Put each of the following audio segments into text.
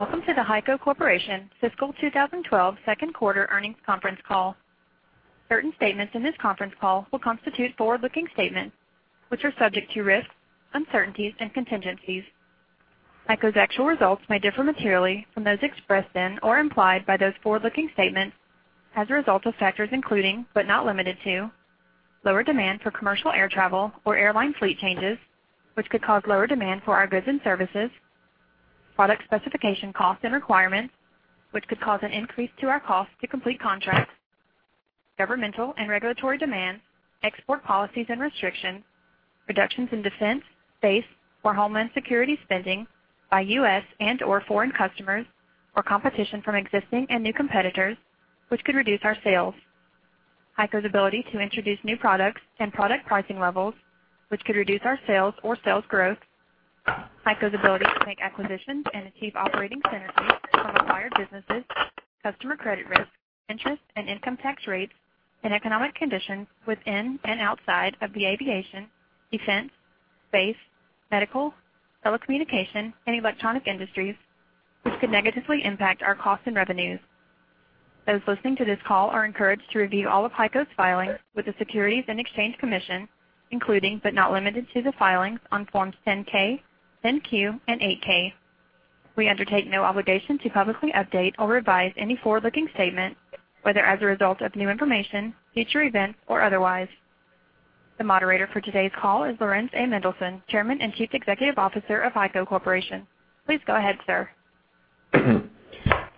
Welcome to the HEICO Corporation Fiscal 2012 second quarter earnings conference call. Certain statements in this conference call will constitute forward-looking statements, which are subject to risks, uncertainties, and contingencies. HEICO's actual results may differ materially from those expressed then or implied by those forward-looking statements as a result of factors including, but not limited to, lower demand for commercial air travel or airline fleet changes, which could cause lower demand for our goods and services. Product specification costs and requirements, which could cause an increase to our cost to complete contracts. Governmental and regulatory demands, export policies and restrictions, reductions in defense, base, or homeland security spending by U.S. and/or foreign customers, or competition from existing and new competitors, which could reduce our sales. HEICO's ability to introduce new products and product pricing levels, which could reduce our sales or sales growth. HEICO's ability to make acquisitions and achieve operating synergies from acquired businesses, customer credit risk, interest and income tax rates, and economic conditions within and outside of the aviation, defense, space, medical, telecommunication, and electronic industries, which could negatively impact our costs and revenues. Those listening to this call are encouraged to review all of HEICO's filings with the Securities and Exchange Commission, including, but not limited to, the filings on Forms 10-K, 10-Q, and 8-K. We undertake no obligation to publicly update or revise any forward-looking statement, whether as a result of new information, future events, or otherwise. The moderator for today's call is Laurans A. Mendelson, Chairman and Chief Executive Officer of HEICO Corporation. Please go ahead, sir.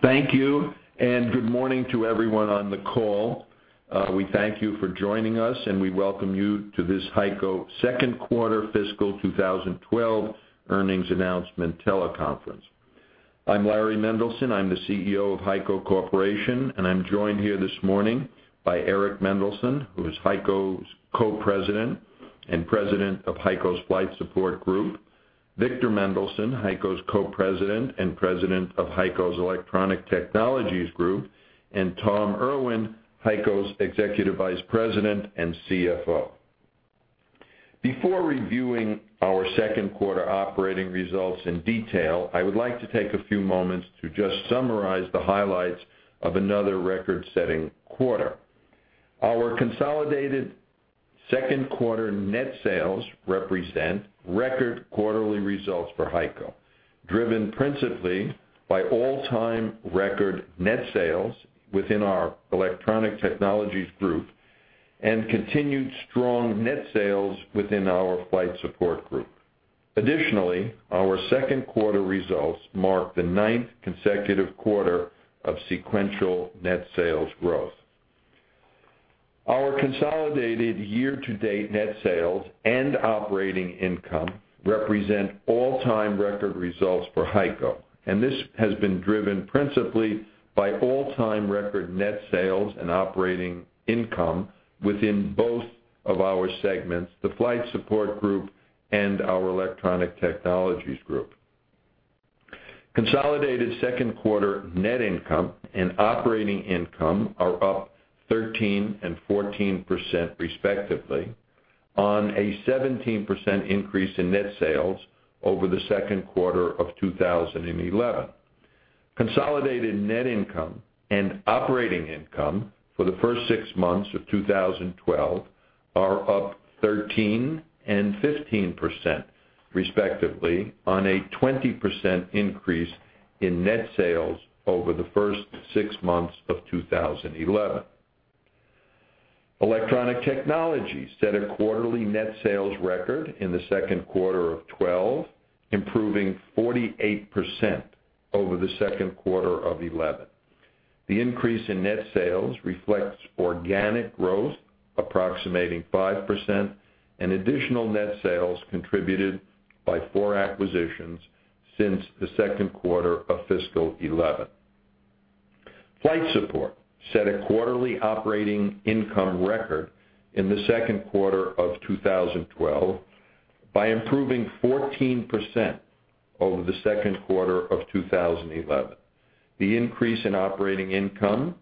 Thank you, good morning to everyone on the call. We thank you for joining us, and we welcome you to this HEICO second quarter Fiscal 2012 earnings announcement teleconference. I'm Larry Mendelson. I'm the CEO of HEICO Corporation, and I'm joined here this morning by Eric Mendelson, who is HEICO's Co-President and President of HEICO's Flight Support Group. Victor Mendelson, HEICO's Co-President and President of HEICO's Electronic Technologies Group, and Tom Irwin, HEICO's Executive Vice President and CFO. Before reviewing our second quarter operating results in detail, I would like to take a few moments to just summarize the highlights of another record-setting quarter. Our consolidated second quarter net sales represent record quarterly results for HEICO, driven principally by all-time record net sales within our Electronic Technologies Group and continued strong net sales within our Flight Support Group. Additionally, our second quarter results mark the ninth consecutive quarter of sequential net sales growth. Our consolidated year-to-date net sales and operating income represent all-time record results for HEICO, this has been driven principally by all-time record net sales and operating income within both of our segments, the Flight Support Group and our Electronic Technologies Group. Consolidated second quarter net income and operating income are up 13% and 14% respectively on a 17% increase in net sales over the second quarter of 2011. Consolidated net income and operating income for the first six months of 2012 are up 13% and 15% respectively on a 20% increase in net sales over the first six months of 2011. Electronic Technologies set a quarterly net sales record in the second quarter of 2012, improving 48% over the second quarter of 2011. The increase in net sales reflects organic growth approximating 5% and additional net sales contributed by four acquisitions since the second quarter of fiscal 2011. Flight Support set a quarterly operating income record in the second quarter of 2012 by improving 14% over the second quarter of 2011. The increase in operating income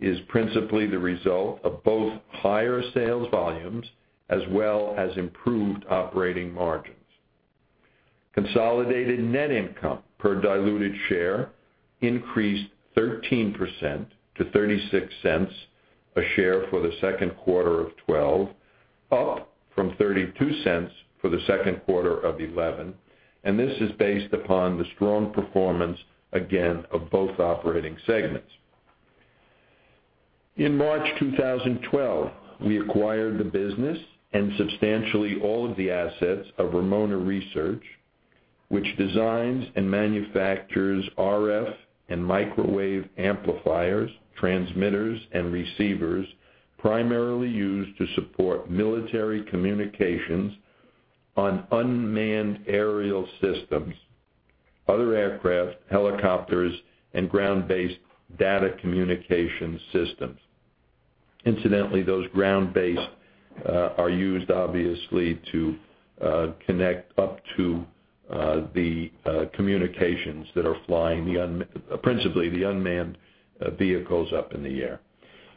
is principally the result of both higher sales volumes as well as improved operating margins. Consolidated net income per diluted share increased 13% to $0.36 a share for the second quarter of 2012, up from $0.32 for the second quarter of 2011, and this is based upon the strong performance, again, of both operating segments. In March 2012, we acquired the business and substantially all of the assets of Ramona Research, which designs and manufactures RF and microwave amplifiers, transmitters, and receivers primarily used to support military communications on unmanned aerial systems, other aircraft, helicopters, and ground-based data communication systems. Incidentally, those ground-based are used obviously to connect up to the communications that are flying, principally the unmanned vehicles up in the air.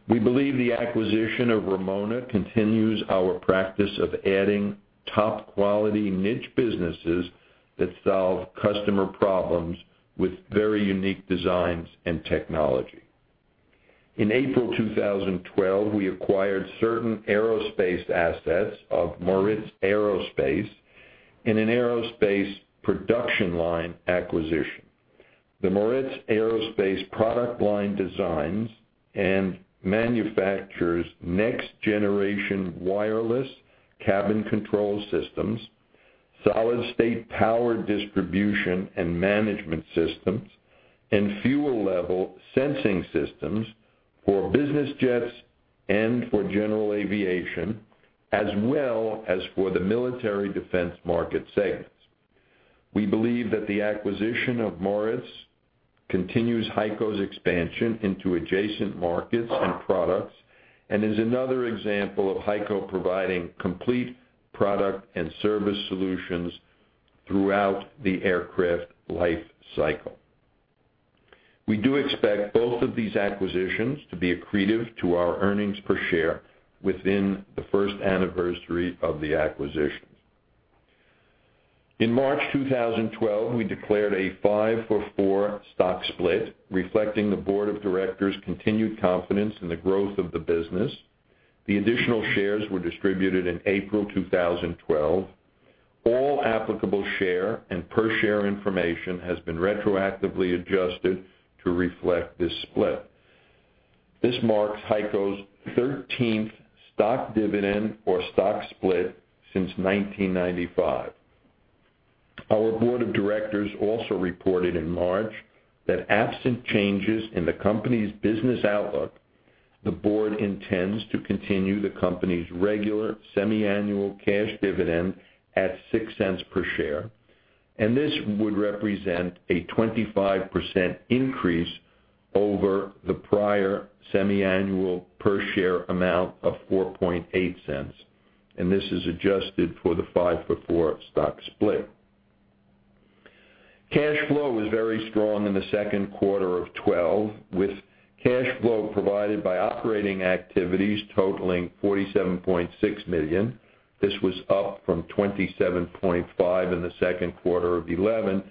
We believe the acquisition of Ramona continues our practice of adding top-quality niche businesses that solve customer problems with very unique designs and technology. In April 2012, we acquired certain aerospace assets of Moritz Aerospace in an aerospace production line acquisition. The Moritz Aerospace product line designs and manufactures next-generation wireless cabin control systems, solid-state power distribution and management systems, and fuel level sensing systems for business jets and for general aviation, as well as for the military defense market segments. We believe that the acquisition of Moritz continues HEICO's expansion into adjacent markets and products and is another example of HEICO providing complete product and service solutions throughout the aircraft life cycle. We do expect both of these acquisitions to be accretive to our earnings per share within the first anniversary of the acquisitions. In March 2012, we declared a five-for-four stock split, reflecting the board of directors' continued confidence in the growth of the business. The additional shares were distributed in April 2012. All applicable share and per share information has been retroactively adjusted to reflect this split. This marks HEICO's 13th stock dividend or stock split since 1995. Our board of directors also reported in March that absent changes in the company's business outlook, the board intends to continue the company's regular semiannual cash dividend at $0.06 per share, and this would represent a 25% increase over the prior semiannual per share amount of $0.048, and this is adjusted for the five-for-four stock split. Cash flow was very strong in the second quarter of 2012, with cash flow provided by operating activities totaling $47.6 million. This was up from $27.5 million in the second quarter of 2011,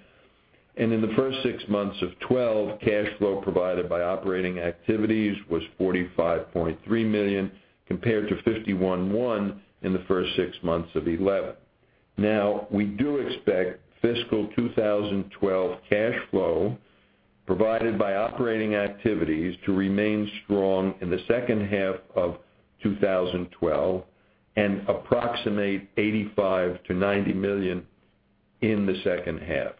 and in the first six months of 2012, cash flow provided by operating activities was $45.3 million, compared to $51.1 million in the first six months of 2011. We do expect fiscal 2012 cash flow provided by operating activities to remain strong in the second half of 2012 and approximate $85 million-$90 million in the second half.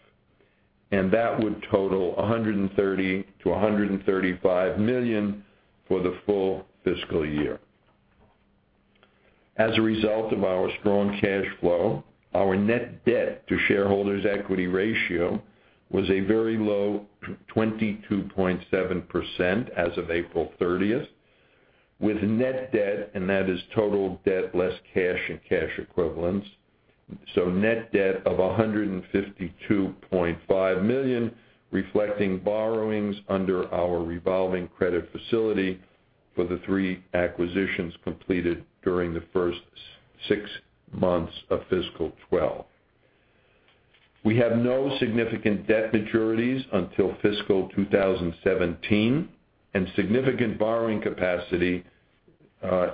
That would total $130 million-$135 million for the full fiscal year. As a result of our strong cash flow, our net debt to shareholders' equity ratio was a very low 22.7% as of April 30th, with net debt, and that is total debt less cash and cash equivalents, so net debt of $152.5 million, reflecting borrowings under our revolving credit facility for the three acquisitions completed during the first six months of fiscal 2012. We have no significant debt maturities until fiscal 2017, and significant borrowing capacity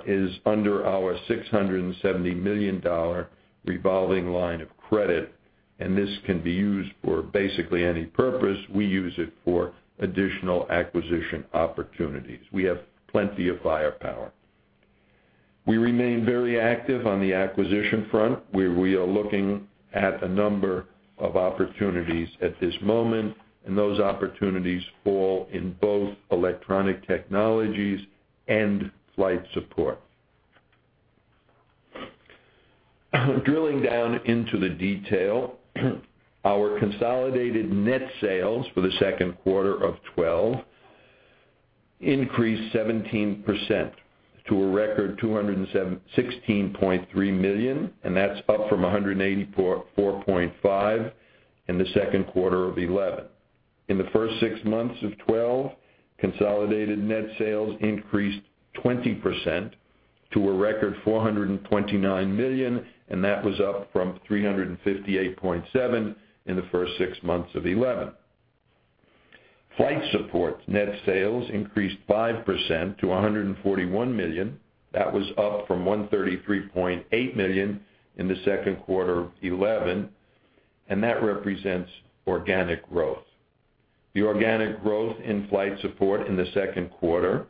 is under our $670 million revolving line of credit. This can be used for basically any purpose. We use it for additional acquisition opportunities. We have plenty of firepower. We remain very active on the acquisition front, where we are looking at a number of opportunities at this moment. Those opportunities fall in both Electronic Technologies and Flight Support. Drilling down into the detail, our consolidated net sales for the second quarter of 2012 increased 17% to a record $216.3 million. That is up from $184.5 million in the second quarter of 2011. In the first six months of 2012, consolidated net sales increased 20% to a record $429 million. That was up from $358.7 million in the first six months of 2011. Flight Support net sales increased 5% to $141 million. That was up from $133.8 million in the second quarter of 2011. That represents organic growth. The organic growth in Flight Support in the second quarter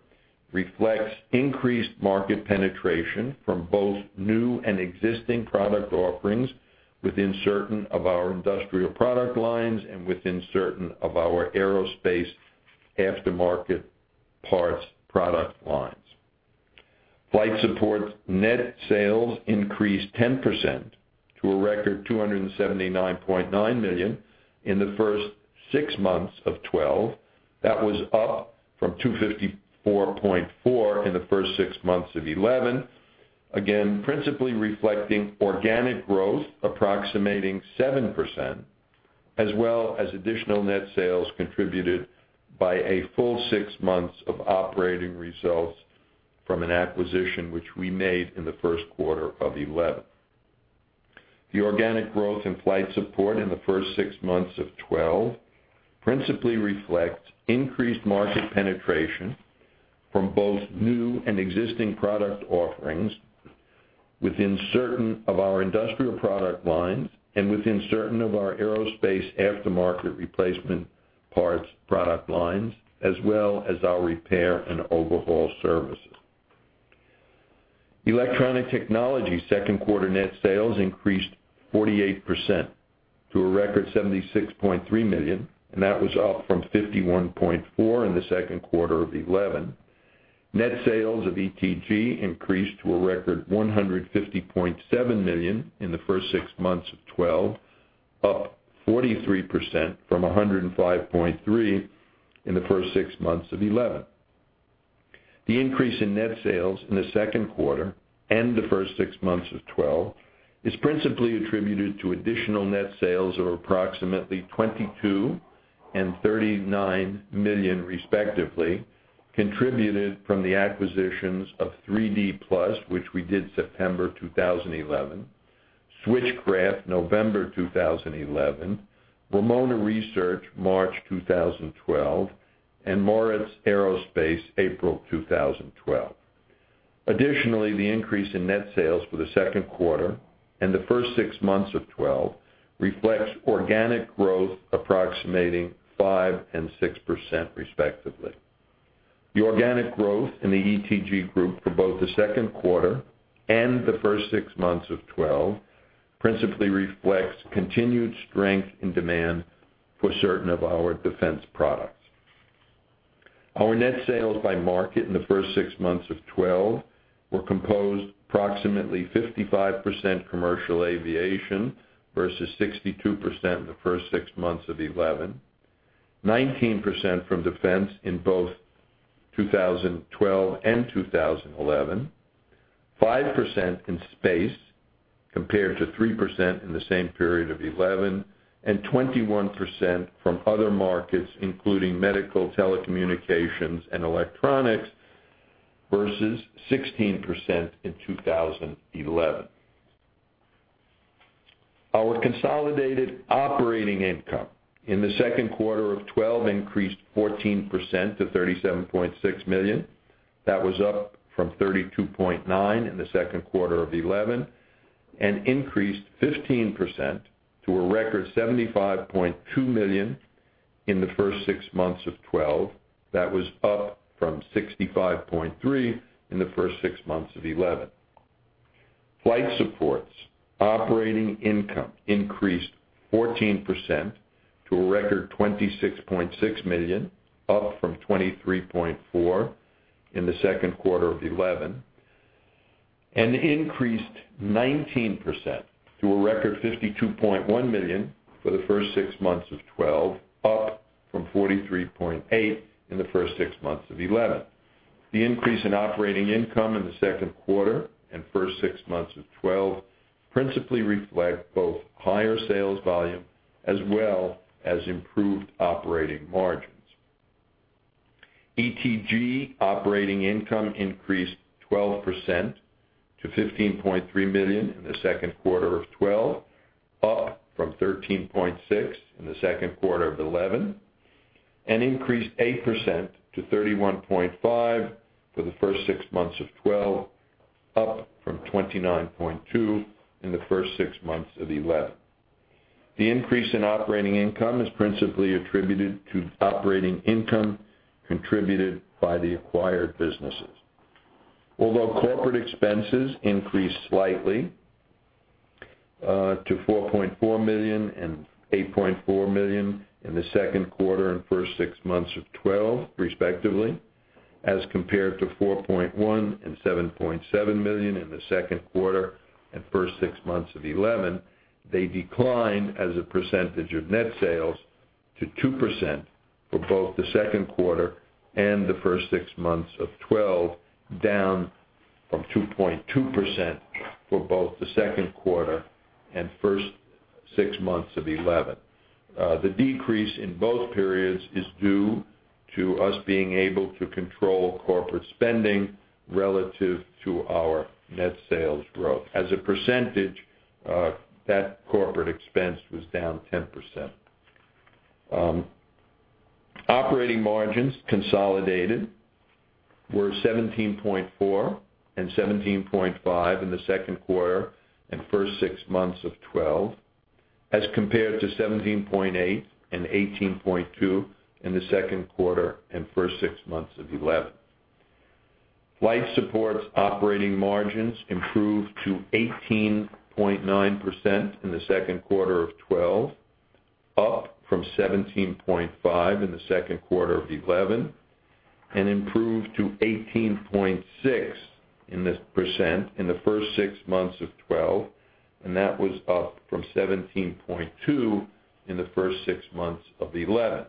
reflects increased market penetration from both new and existing product offerings within certain of our industrial product lines and within certain of our aerospace aftermarket parts product lines. Flight Support net sales increased 10% to a record $279.9 million in the first six months of 2012. That was up from $254.4 million in the first six months of 2011, again, principally reflecting organic growth approximating 7%. As well as additional net sales contributed by a full six months of operating results from an acquisition which we made in the first quarter of 2011. The organic growth in Flight Support in the first six months of 2012 principally reflects increased market penetration from both new and existing product offerings within certain of our industrial product lines and within certain of our aerospace aftermarket replacement parts product lines, as well as our repair and overhaul services. Electronic Technologies' second quarter net sales increased 48% to a record $76.3 million. That was up from $51.4 million in the second quarter of 2011. Net sales of ETG increased to a record $150.7 million in the first six months of 2012, up 43% from $105.3 million in the first six months of 2011. The increase in net sales in the second quarter and the first six months of 2012 is principally attributed to additional net sales of approximately $22 million and $39 million, respectively, contributed from the acquisitions of 3D PLUS, which we did September 2011, Switchcraft, November 2011, Ramona Research, March 2012, and Moritz Aerospace, April 2012. The increase in net sales for the second quarter and the first six months of 2012 reflects organic growth approximating 5% and 6%, respectively. The organic growth in the ETG group for both the second quarter and the first six months of 2012 principally reflects continued strength in demand for certain of our defense products. Our net sales by market in the first six months of 2012 were composed approximately 55% commercial aviation versus 62% in the first six months of 2011, 19% from defense in both 2012 and 2011, 5% in space compared to 3% in the same period of 2011, and 21% from other markets, including medical, telecommunications, and electronics, versus 16% in 2011. Our consolidated operating income in the second quarter of 2012 increased 14% to $37.6 million. That was up from $32.9 million in the second quarter of 2011 and increased 15% to a record $75.2 million in the first six months of 2012. That was up from $65.3 million in the first six months of 2011. Flight Support's operating income increased 14% to a record $26.6 million, up from $23.4 million in the second quarter of 2011, and increased 19% to a record $52.1 million for the first six months of 2012, up from $43.8 million in the first six months of 2011. The increase in operating income in the second quarter and first six months of 2012 principally reflect both higher sales volume as well as improved operating margins. ETG operating income increased 12% to $15.3 million in the second quarter of 2012, up from $13.6 million in the second quarter of 2011, and increased 8% to $31.5 million for the first six months of 2012, up from $29.2 million in the first six months of 2011. The increase in operating income is principally attributed to operating income contributed by the acquired businesses. Although corporate expenses increased slightly to $4.4 million and $8.4 million in the second quarter and first six months of 2012, respectively, as compared to $4.1 million and $7.7 million in the second quarter and first six months of 2011, they declined as a percentage of net sales to 2% for both the second quarter and the first six months of 2012, down from 2.2% for both the second quarter and first six months of 2011. The decrease in both periods is due to us being able to control corporate spending relative to our net sales growth. As a percentage, that corporate expense was down 10%. Operating margins consolidated were 17.4% and 17.5% in the second quarter and first six months of 2012 as compared to 17.8% and 18.2% in the second quarter and first six months of 2011. Flight Support's operating margins improved to 18.9% in the second quarter of 2012, up from 17.5% in the second quarter of 2011, and improved to 18.6% in the first six months of 2012, and that was up from 17.2% in the first six months of 2011.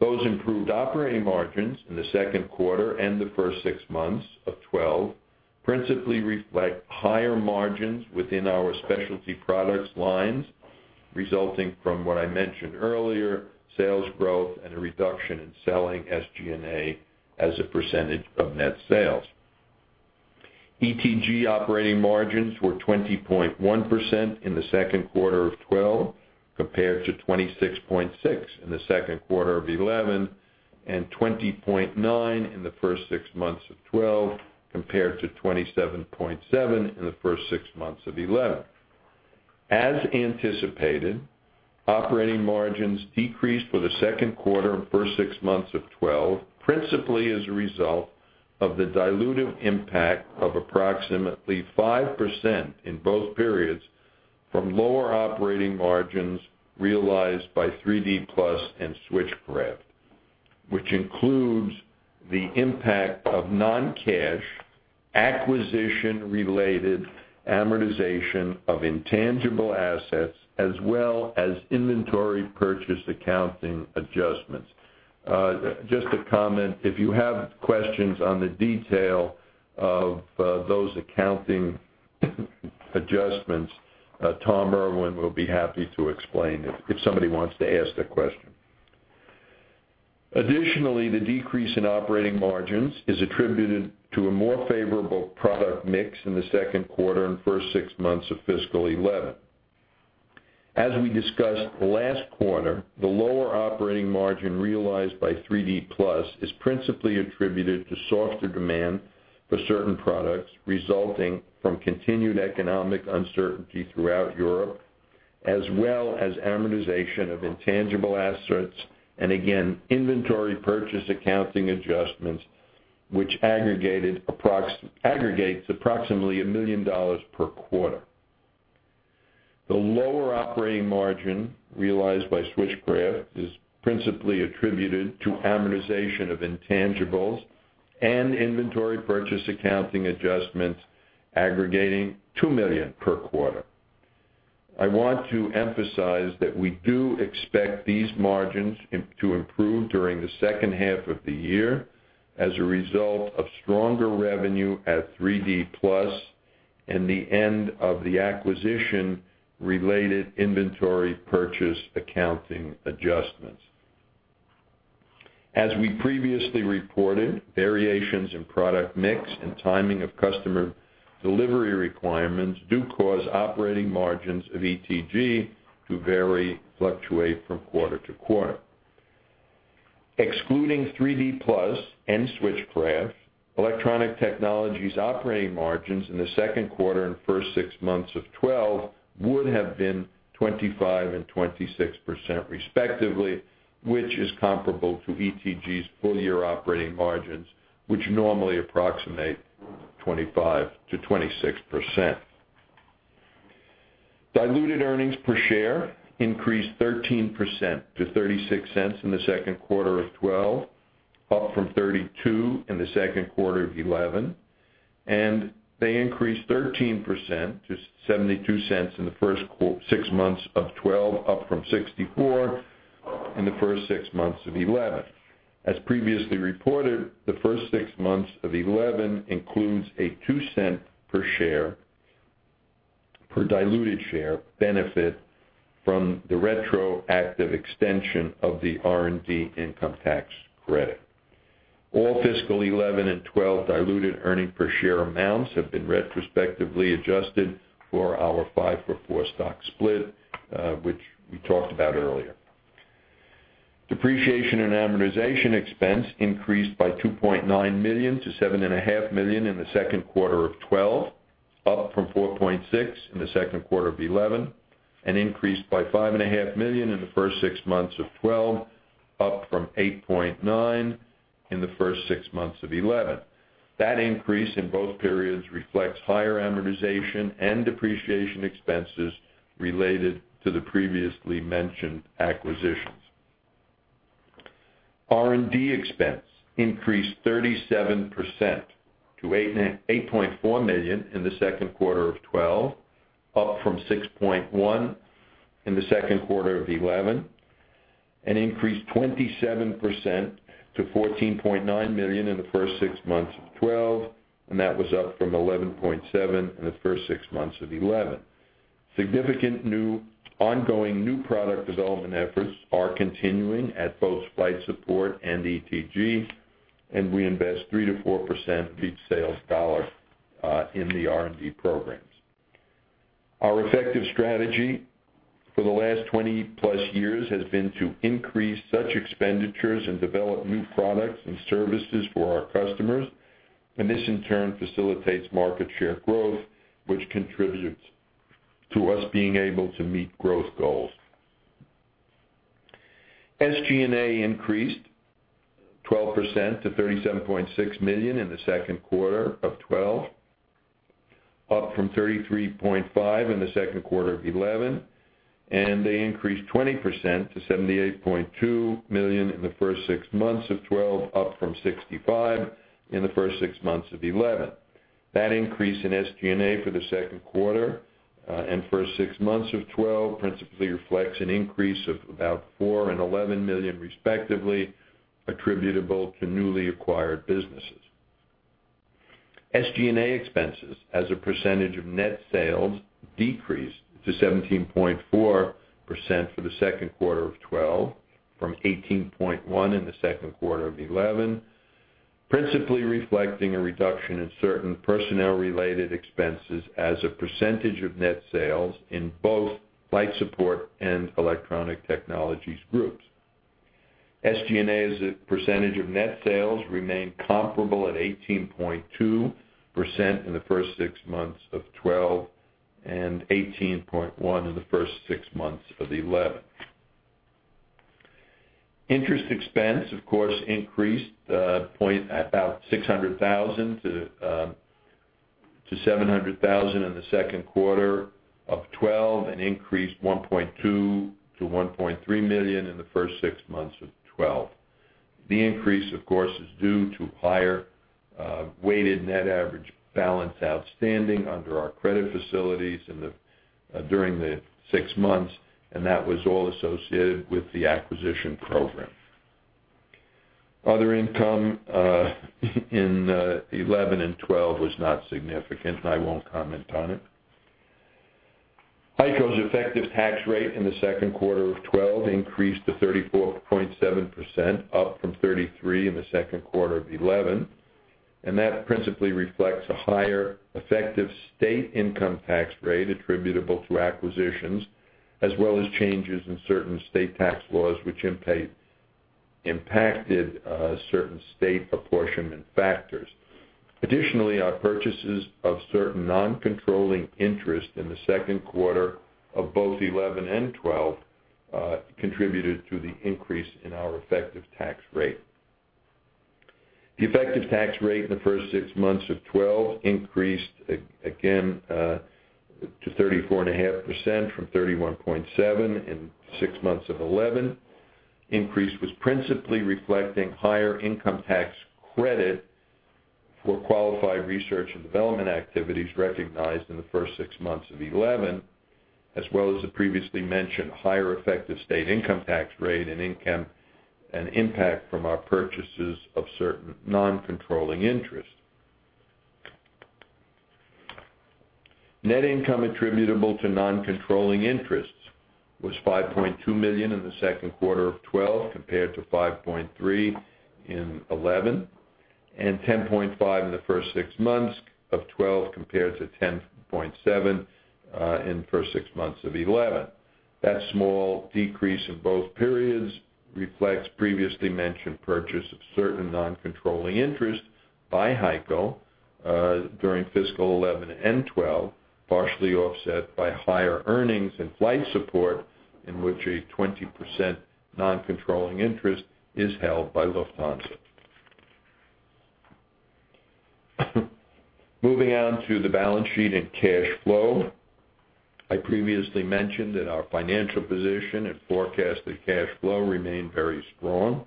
Those improved operating margins in the second quarter and the first six months of 2012 principally reflect higher margins within our specialty products lines, resulting from what I mentioned earlier, sales growth and a reduction in selling SG&A as a percentage of net sales. ETG operating margins were 20.1% in the second quarter of 2012, compared to 26.6% in the second quarter of 2011, and 20.9% in the first six months of 2012, compared to 27.7% in the first six months of 2011. As anticipated, operating margins decreased for the second quarter and first six months of 2012, principally as a result of the dilutive impact of approximately 5% in both periods from lower operating margins realized by 3D PLUS and Switchcraft, which includes the impact of non-cash acquisition-related amortization of intangible assets, as well as inventory purchase accounting adjustments. Just to comment, if you have questions on the detail of those accounting adjustments, Tom Irwin will be happy to explain it if somebody wants to ask that question. Additionally, the decrease in operating margins is attributed to a more favorable product mix in the second quarter and first six months of fiscal 2011. As we discussed last quarter, the lower operating margin realized by 3D PLUS is principally attributed to softer demand for certain products, resulting from continued economic uncertainty throughout Europe, as well as amortization of intangible assets and again, inventory purchase accounting adjustments, which aggregates approximately $1 million per quarter. The lower operating margin realized by Switchcraft is principally attributed to amortization of intangibles and inventory purchase accounting adjustments aggregating $2 million per quarter. I want to emphasize that we do expect these margins to improve during the second half of the year as a result of stronger revenue at 3D PLUS and the end of the acquisition-related inventory purchase accounting adjustments. As we previously reported, variations in product mix and timing of customer delivery requirements do cause operating margins of ETG to vary, fluctuate from quarter to quarter. Excluding 3D PLUS and Switchcraft, Electronic Technologies' operating margins in the second quarter and first six months of 2012 would have been 25% and 26%, respectively, which is comparable to ETG's full-year operating margins, which normally approximate 25%-26%. Diluted earnings per share increased 13% to $0.36 in the second quarter of 2012, up from $0.32 in the second quarter of 2011. They increased 13% to $0.72 in the first six months of 2012, up from $0.64 in the first six months of 2011. As previously reported, the first six months of 2011 includes a $0.02 per diluted share benefit from the retroactive extension of the R&D income tax credit. All fiscal 2011 and 2012 diluted earning per share amounts have been retrospectively adjusted for our five-for-four stock split, which we talked about earlier. Depreciation and amortization expense increased by $2.9 million to $7.5 million in the second quarter of 2012, up from $4.6 million in the second quarter of 2011. Increased by $5.5 million in the first six months of 2012, up from $8.9 million in the first six months of 2011. That increase in both periods reflects higher amortization and depreciation expenses related to the previously mentioned acquisitions. R&D expense increased 37% to $8.4 million in the second quarter of 2012, up from $6.1 million in the second quarter of 2011. Increased 27% to $14.9 million in the first six months of 2012, and that was up from $11.7 million in the first six months of 2011. Significant ongoing new product development efforts are continuing at both Flight Support and ETG, and we invest 3%-4% of each sales dollar in the R&D programs. Our effective strategy for the last 20-plus years has been to increase such expenditures and develop new products and services for our customers, and this in turn facilitates market share growth, which contributes to us being able to meet growth goals. SG&A increased 12% to $37.6 million in the second quarter of 2012, up from $33.5 million in the second quarter of 2011. They increased 20% to $78.2 million in the first six months of 2012, up from $65 million in the first six months of 2011. That increase in SG&A for the second quarter and first six months of 2012 principally reflects an increase of about $4 million and $11 million respectively attributable to newly acquired businesses. SG&A expenses as a percentage of net sales decreased to 17.4% for the second quarter of 2012 from 18.1% in the second quarter of 2011, principally reflecting a reduction in certain personnel-related expenses as a percentage of net sales in both Flight Support and Electronic Technologies groups. SG&A as a percentage of net sales remained comparable at 18.2% in the first six months of 2012 and 18.1% in the first six months of 2011. Interest expense, of course, increased about $600,000 to $700,000 in the second quarter of 2012, and increased $1.2 million to $1.3 million in the first six months of 2012. The increase, of course, is due to higher weighted net average balance outstanding under our credit facilities during the six months. That was all associated with the acquisition program. Other income in 2011 and 2012 was not significant. I won't comment on it. HEICO's effective tax rate in the second quarter of 2012 increased to 34.7%, up from 33% in the second quarter of 2011, and that principally reflects a higher effective state income tax rate attributable to acquisitions, as well as changes in certain state tax laws which impacted certain state apportionment factors. Additionally, our purchases of certain non-controlling interest in the second quarter of both 2011 and 2012 contributed to the increase in our effective tax rate. The effective tax rate in the first six months of 2012 increased again to 34.5% from 31.7% in six months of 2011. Increase was principally reflecting higher income tax credit for qualified research and development activities recognized in the first six months of 2011, as well as the previously mentioned higher effective state income tax rate and impact from our purchases of certain non-controlling interest. Net income attributable to non-controlling interests was $5.2 million in the second quarter of 2012 compared to $5.3 million in 2011, and $10.5 million in the first six months of 2012 compared to $10.7 million in the first six months of 2011. That small decrease in both periods reflects previously mentioned purchase of certain non-controlling interest by HEICO during fiscal 2011 and 2012, partially offset by higher earnings in Flight Support, in which a 20% non-controlling interest is held by Lufthansa. Moving on to the balance sheet and cash flow. I previously mentioned that our financial position and forecasted cash flow remain very strong.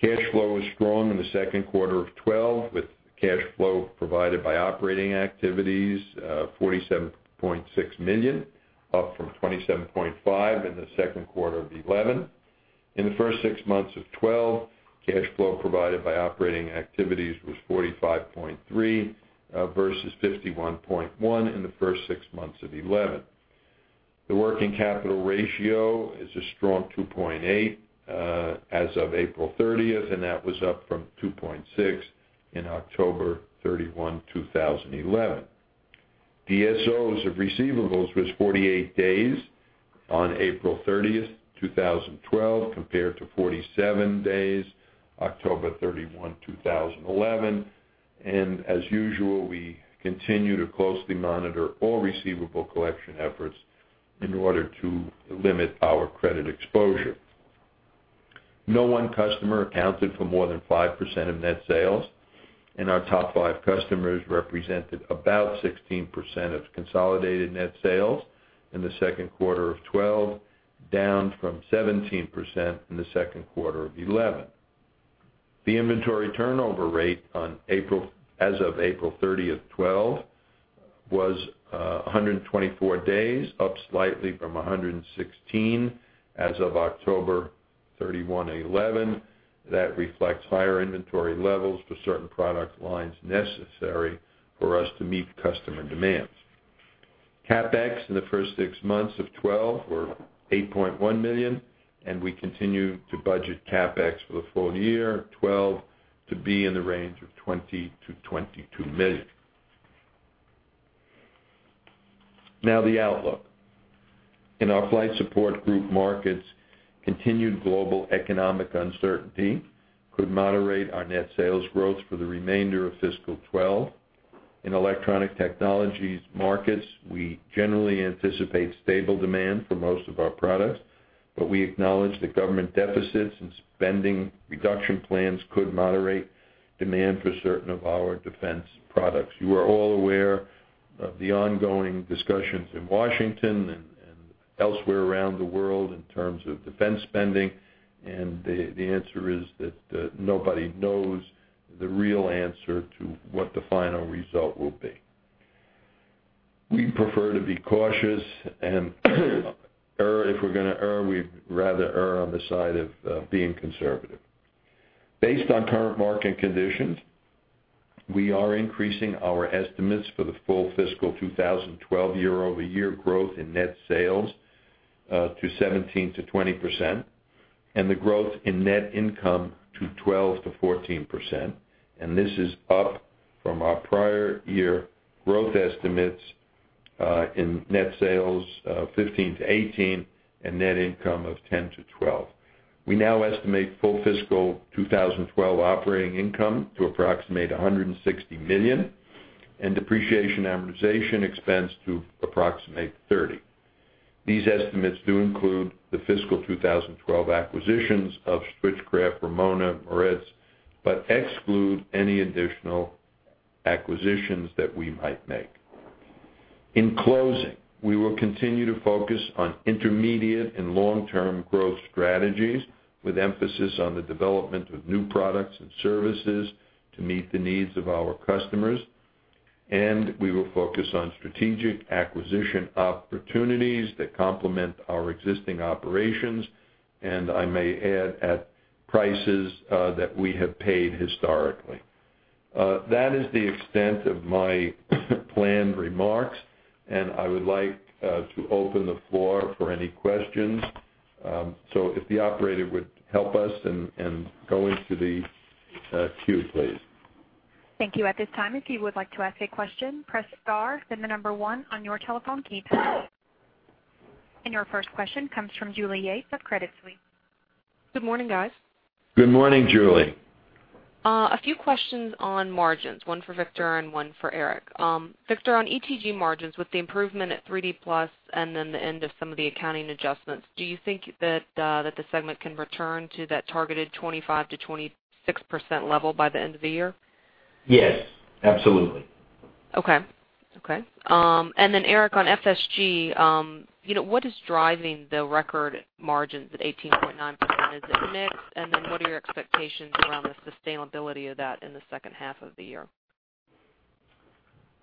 Cash flow was strong in the second quarter of 2012, with cash flow provided by operating activities $47.6 million, up from $27.5 million in the second quarter of 2011. In the first six months of 2012, cash flow provided by operating activities was $45.3 versus $51.1 in the first six months of 2011. The working capital ratio is a strong 2.8 as of April 30, and that was up from 2.6 in October 31, 2011. DSOs of receivables was 48 days on April 30, 2012, compared to 47 days, October 31, 2011. As usual, we continue to closely monitor all receivable collection efforts in order to limit our credit exposure. No one customer accounted for more than 5% of net sales, our top five customers represented about 16% of consolidated net sales in the second quarter of 2012, down from 17% in the second quarter of 2011. The inventory turnover rate as of April 30, 2012 was 124 days, up slightly from 116 as of October 31, 2011. That reflects higher inventory levels for certain product lines necessary for us to meet customer demands. CapEx in the first six months of 2012 were $8.1 million, we continue to budget CapEx for the full year of 2012 to be in the range of $20 million-$22 million. Now, the outlook. In our Flight Support Group markets, continued global economic uncertainty could moderate our net sales growth for the remainder of fiscal 2012. In Electronic Technologies markets, we generally anticipate stable demand for most of our products, we acknowledge that government deficits and spending reduction plans could moderate demand for certain of our defense products. You are all aware of the ongoing discussions in Washington and elsewhere around the world in terms of defense spending, the answer is that nobody knows the real answer to what the final result will be. We prefer to be cautious, if we're going to err, we'd rather err on the side of being conservative. Based on current market conditions, we are increasing our estimates for the full fiscal 2012 year-over-year growth in net sales to 17%-20%, the growth in net income to 12%-14%. This is up from our prior year growth estimates in net sales of 15%-18%, net income of 10%-12%. We now estimate full fiscal 2012 operating income to approximate $160 million, depreciation amortization expense to approximate $30. These estimates do include the fiscal 2012 acquisitions of Switchcraft, Ramona, Moritz, exclude any additional acquisitions that we might make. In closing, we will continue to focus on intermediate and long-term growth strategies, with emphasis on the development of new products and services to meet the needs of our customers. We will focus on strategic acquisition opportunities that complement our existing operations, I may add, at prices that we have paid historically. That is the extent of my planned remarks, I would like to open the floor for any questions. If the operator would help us go into the queue, please. Thank you. At this time, if you would like to ask a question, press star, then the number 1 on your telephone keypad. Your first question comes from Julie Yates of Credit Suisse. Good morning, guys. Good morning, Julie. A few questions on margins, one for Victor and one for Eric. Victor, on ETG margins, with the improvement at 3D PLUS and then the end of some of the accounting adjustments, do you think that the segment can return to that targeted 25%-26% level by the end of the year? Yes, absolutely. Okay. Eric, on FSG, what is driving the record margins at 18.9%? Is it mix? What are your expectations around the sustainability of that in the second half of the year?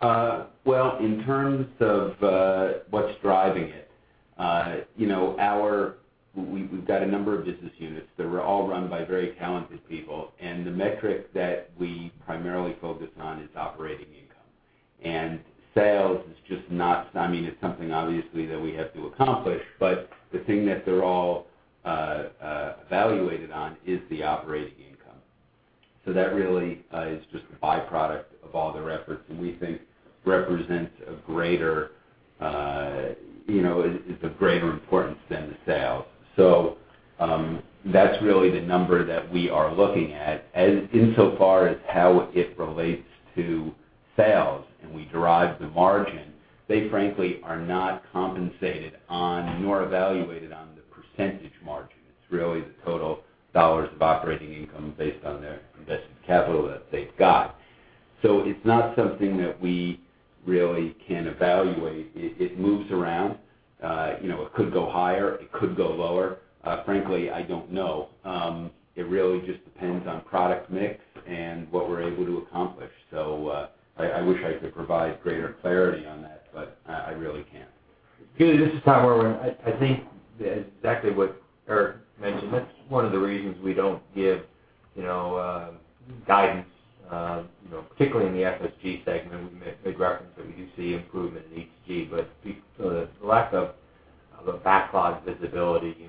Well, in terms of what's driving it, we've got a number of business units that were all run by very talented people, the metric that we primarily focus on is operating income. Sales is just it's something obviously that we have to accomplish, but the thing that they're all evaluated on is the operating income. That really is just a byproduct of all their efforts, and we think represents a greater importance than the sales. That's really the number that we are looking at. Insofar as how it relates to sales, we derive the margin, they frankly are not compensated on, nor evaluated on the percentage margin. It's really the total dollars of operating income based on their invested capital that they've got. It's not something that we really can evaluate. It moves around. It could go higher. It could go lower. Frankly, I don't know. It really just depends on product mix and what we're able to accomplish. I wish I could provide greater clarity on that, I really can't. Julie, this is Tom Irwin. I think exactly what Eric mentioned, that's one of the reasons we don't give guidance, particularly in the FSG segment. We made reference that we do see improvement in ETG, but the lack of the backlog visibility, you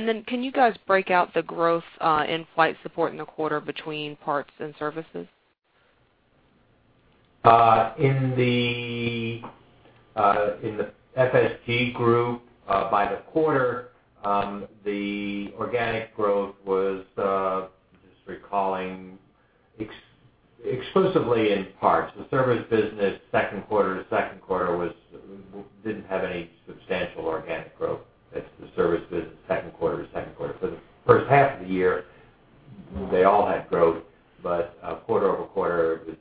may recall 16% or more of our orders each month are booked and shipped. It's not like we have a larger backlog that we can see the projected margins on as opposed to ETG. For that reason, we don't give guidance, if you will, on margins. The fluctuations may happen as Eric reported, and based on mix, we do target overall growth, but not specific margins and targets. Okay, great. Then can you guys break out the growth in flight support in the quarter between parts and services? In the FSG group, by the quarter, the organic growth was, just recalling, exclusively in parts. The service business second quarter to second quarter didn't have any substantial organic growth. That's the service business second quarter to second quarter. For the first half of the year, they all had growth, quarter-over-quarter, it was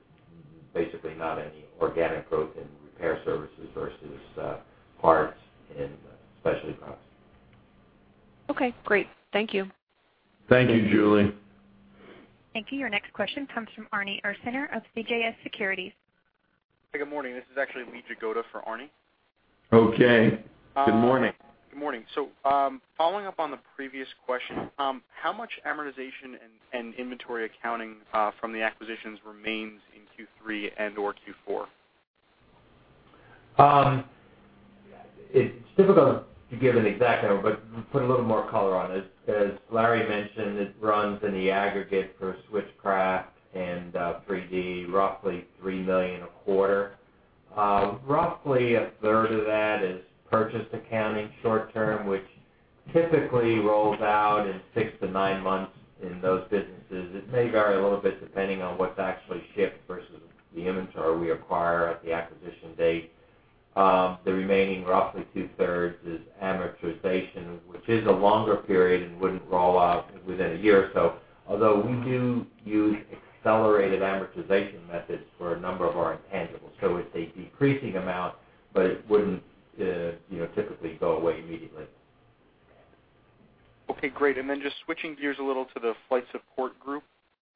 basically not any organic growth in repair services versus parts and specialty products. Okay, great. Thank you. Thank you, Julie. Thank you. Your next question comes from Arnold Ursaner of CJS Securities. Good morning. This is actually Lee Jagoda for Arnie. Okay. Good morning. Good morning. Following up on the previous question, how much amortization and inventory accounting from the acquisitions remains in Q3 and/or Q4? It's difficult to give an exact number, but put a little more color on it. As Larry mentioned, it runs in the aggregate for Switchcraft and 3D, roughly $3 million a quarter. Roughly a third of that is purchase accounting short-term, which typically rolls out in six to nine months in those businesses. It may vary a little bit depending on what's actually shipped versus the inventory we acquire at the acquisition date. The remaining roughly two-thirds is amortization, which is a longer period and wouldn't roll out within a year or so, although we do use accelerated amortization methods for a number of our intangibles. It's a decreasing amount, but it wouldn't typically go away immediately. Okay, great. Just switching gears a little to the Flight Support Group.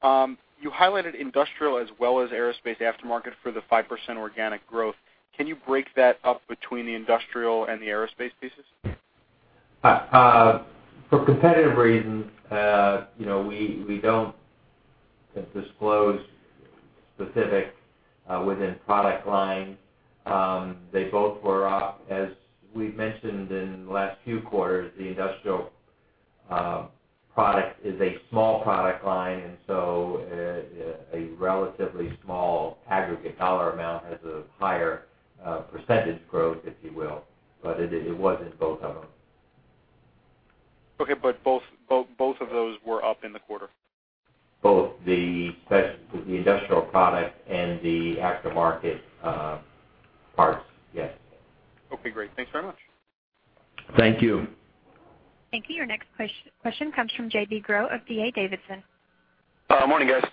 You highlighted industrial as well as aerospace aftermarket for the 5% organic growth. Can you break that up between the industrial and the aerospace pieces? For competitive reasons, we don't disclose specifics within product line. They both were up. As we've mentioned in the last few quarters, the industrial product is a small product line, and so a relatively small aggregate dollar amount has a higher percentage growth, if you will. It was in both of them. Okay. Both of those were up in the quarter? Both the industrial product and the aftermarket parts, yes. Okay, great. Thanks very much. Thank you. Thank you. Your next question comes from J.B. Groh of D.A. Davidson. Morning, guys.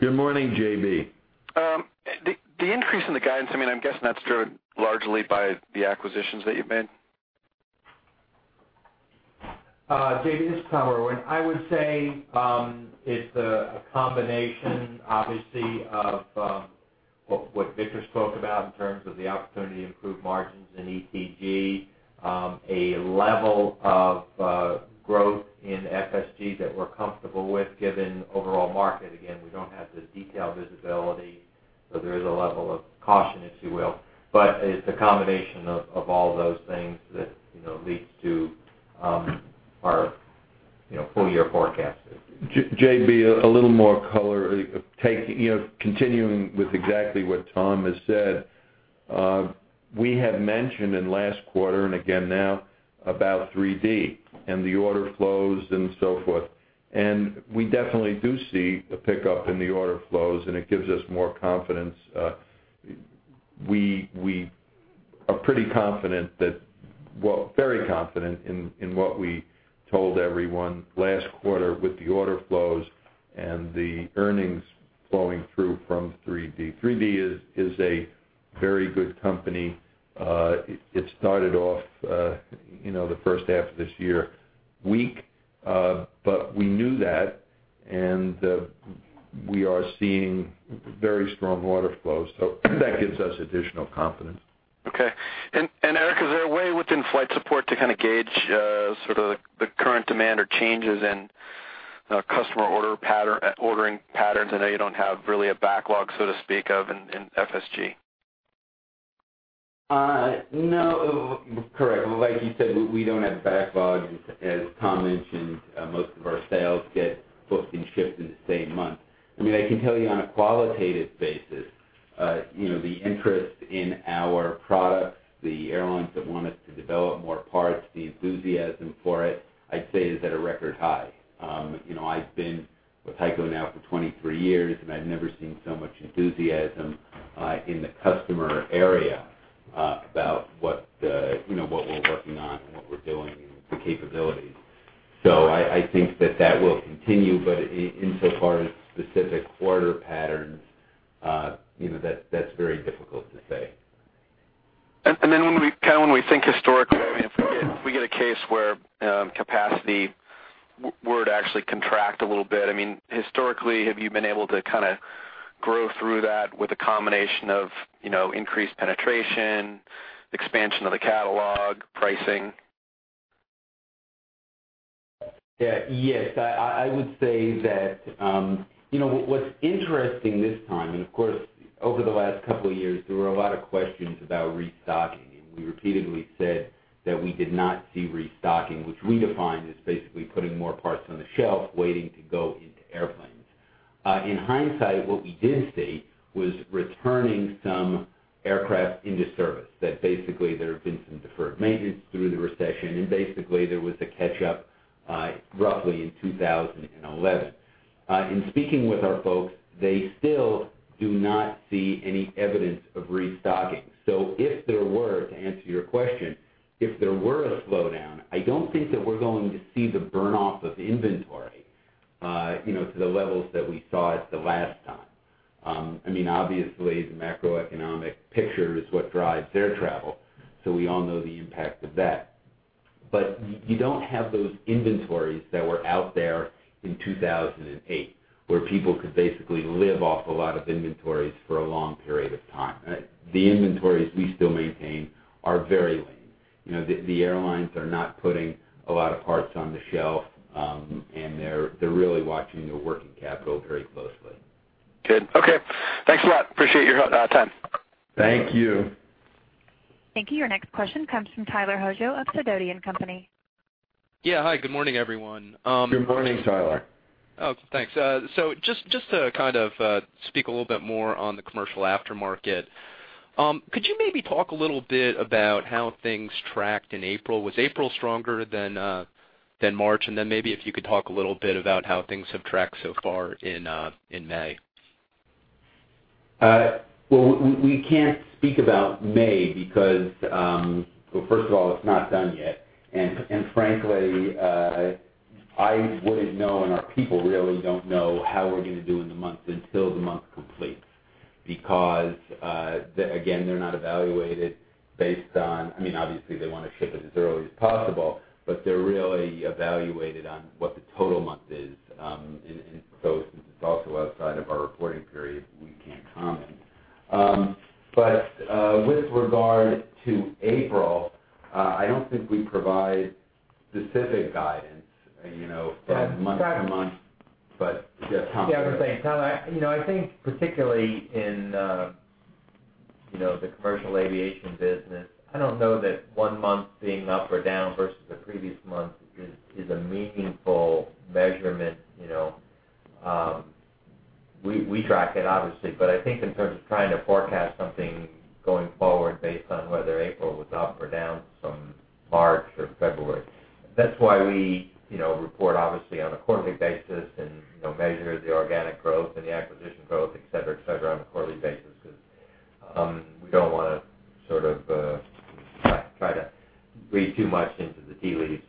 Good morning, J.B. The increase in the guidance, I'm guessing that's driven largely by the acquisitions that you've made. J.B., this is Tom Irwin. I would say it's a combination, obviously, of what Victor spoke about in terms of the opportunity to improve margins in ETG. A level of growth in FSG that we're comfortable with given the overall market. We don't have the detailed visibility, there is a level of caution, if you will, it's a combination of all those things that leads to our full-year forecast. J.B., a little more color. Continuing with exactly what Tom has said. We had mentioned in last quarter, and again now, about 3D and the order flows and so forth. We definitely do see a pickup in the order flows. It gives us more confidence. We are pretty confident that very confident in what we told everyone last quarter with the order flows and the earnings flowing through from 3D. 3D is a very good company. It started off, the first half of this year, weak. We knew that. We are seeing very strong order flow. That gives us additional confidence. Okay. Eric, is there a way within Flight Support to kind of gauge sort of the current demand or changes in customer ordering patterns? I know you don't have really a backlog, so to speak, in FSG. No. Correct. Like you said, we don't have backlogs. As Tom mentioned, most of our sales get booked and shipped in the same month. I can tell you on a qualitative basis, the interest in our products, the airlines that want us to develop more parts, the enthusiasm for it, I'd say, is at a record high. I've been with HEICO now for 23 years. I've never seen so much enthusiasm in the customer area about what we're working on and what we're doing and the capabilities. I think that that will continue. Insofar as specific quarter patterns, that's very difficult to say. When we think historically, if we get a case where capacity were to actually contract a little bit. Historically, have you been able to kind of grow through that with a combination of increased penetration, expansion of the catalog, pricing? Yes. I would say that what's interesting this time, of course, over the last couple of years, there were a lot of questions about restocking, we repeatedly said that we did not see restocking, which we defined as basically putting more parts on the shelf, waiting to go into airplanes. In hindsight, what we did see was returning some aircraft into service, that basically there have been some deferred maintenance through the recession, basically there was a catch-up roughly in 2011. In speaking with our folks, they still do not see any evidence of restocking. To answer your question, if there were a slowdown, I don't think that we're going to see the burn-off of inventory to the levels that we saw the last time. The macroeconomic picture is what drives air travel, so we all know the impact of that. You don't have those inventories that were out there in 2008, where people could basically live off a lot of inventories for a long period of time. The inventories we still maintain are very lean. The airlines are not putting a lot of parts on the shelf, they're really watching their working capital very closely. Good. Okay. Thanks a lot. Appreciate your time. Thank you. Thank you. Your next question comes from Tyler Hojo of Sidoti & Company. Yeah. Hi, good morning, everyone. Good morning, Tyler. Oh, thanks. Just to kind of speak a little bit more on the commercial aftermarket, could you maybe talk a little bit about how things tracked in April? Was April stronger than March? Then maybe if you could talk a little bit about how things have tracked so far in May. We can't speak about May because, well, first of all, it's not done yet. Frankly, I wouldn't know, and our people really don't know how we're going to do in the month until the month completes. Again, they're not evaluated based on, obviously, they want to ship it as early as possible, but they're really evaluated on what the total month is. Since it's also outside of our reporting period, we can't comment. With regard to April, I don't think we provide specific guidance from month to month. Yeah, Tom go ahead. Yeah, I was going to say, Tyler, I think particularly in the commercial aviation business, I don't know that one month being up or down versus the previous month is a meaningful measurement. We track it, obviously, but I think in terms of trying to forecast something going forward based on whether April was up or down from March or February. That's why we report, obviously, on a quarterly basis and measure the organic growth and the acquisition growth, et cetera, et cetera, on a quarterly basis, because we don't want to sort of try to read too much into the tea leaves.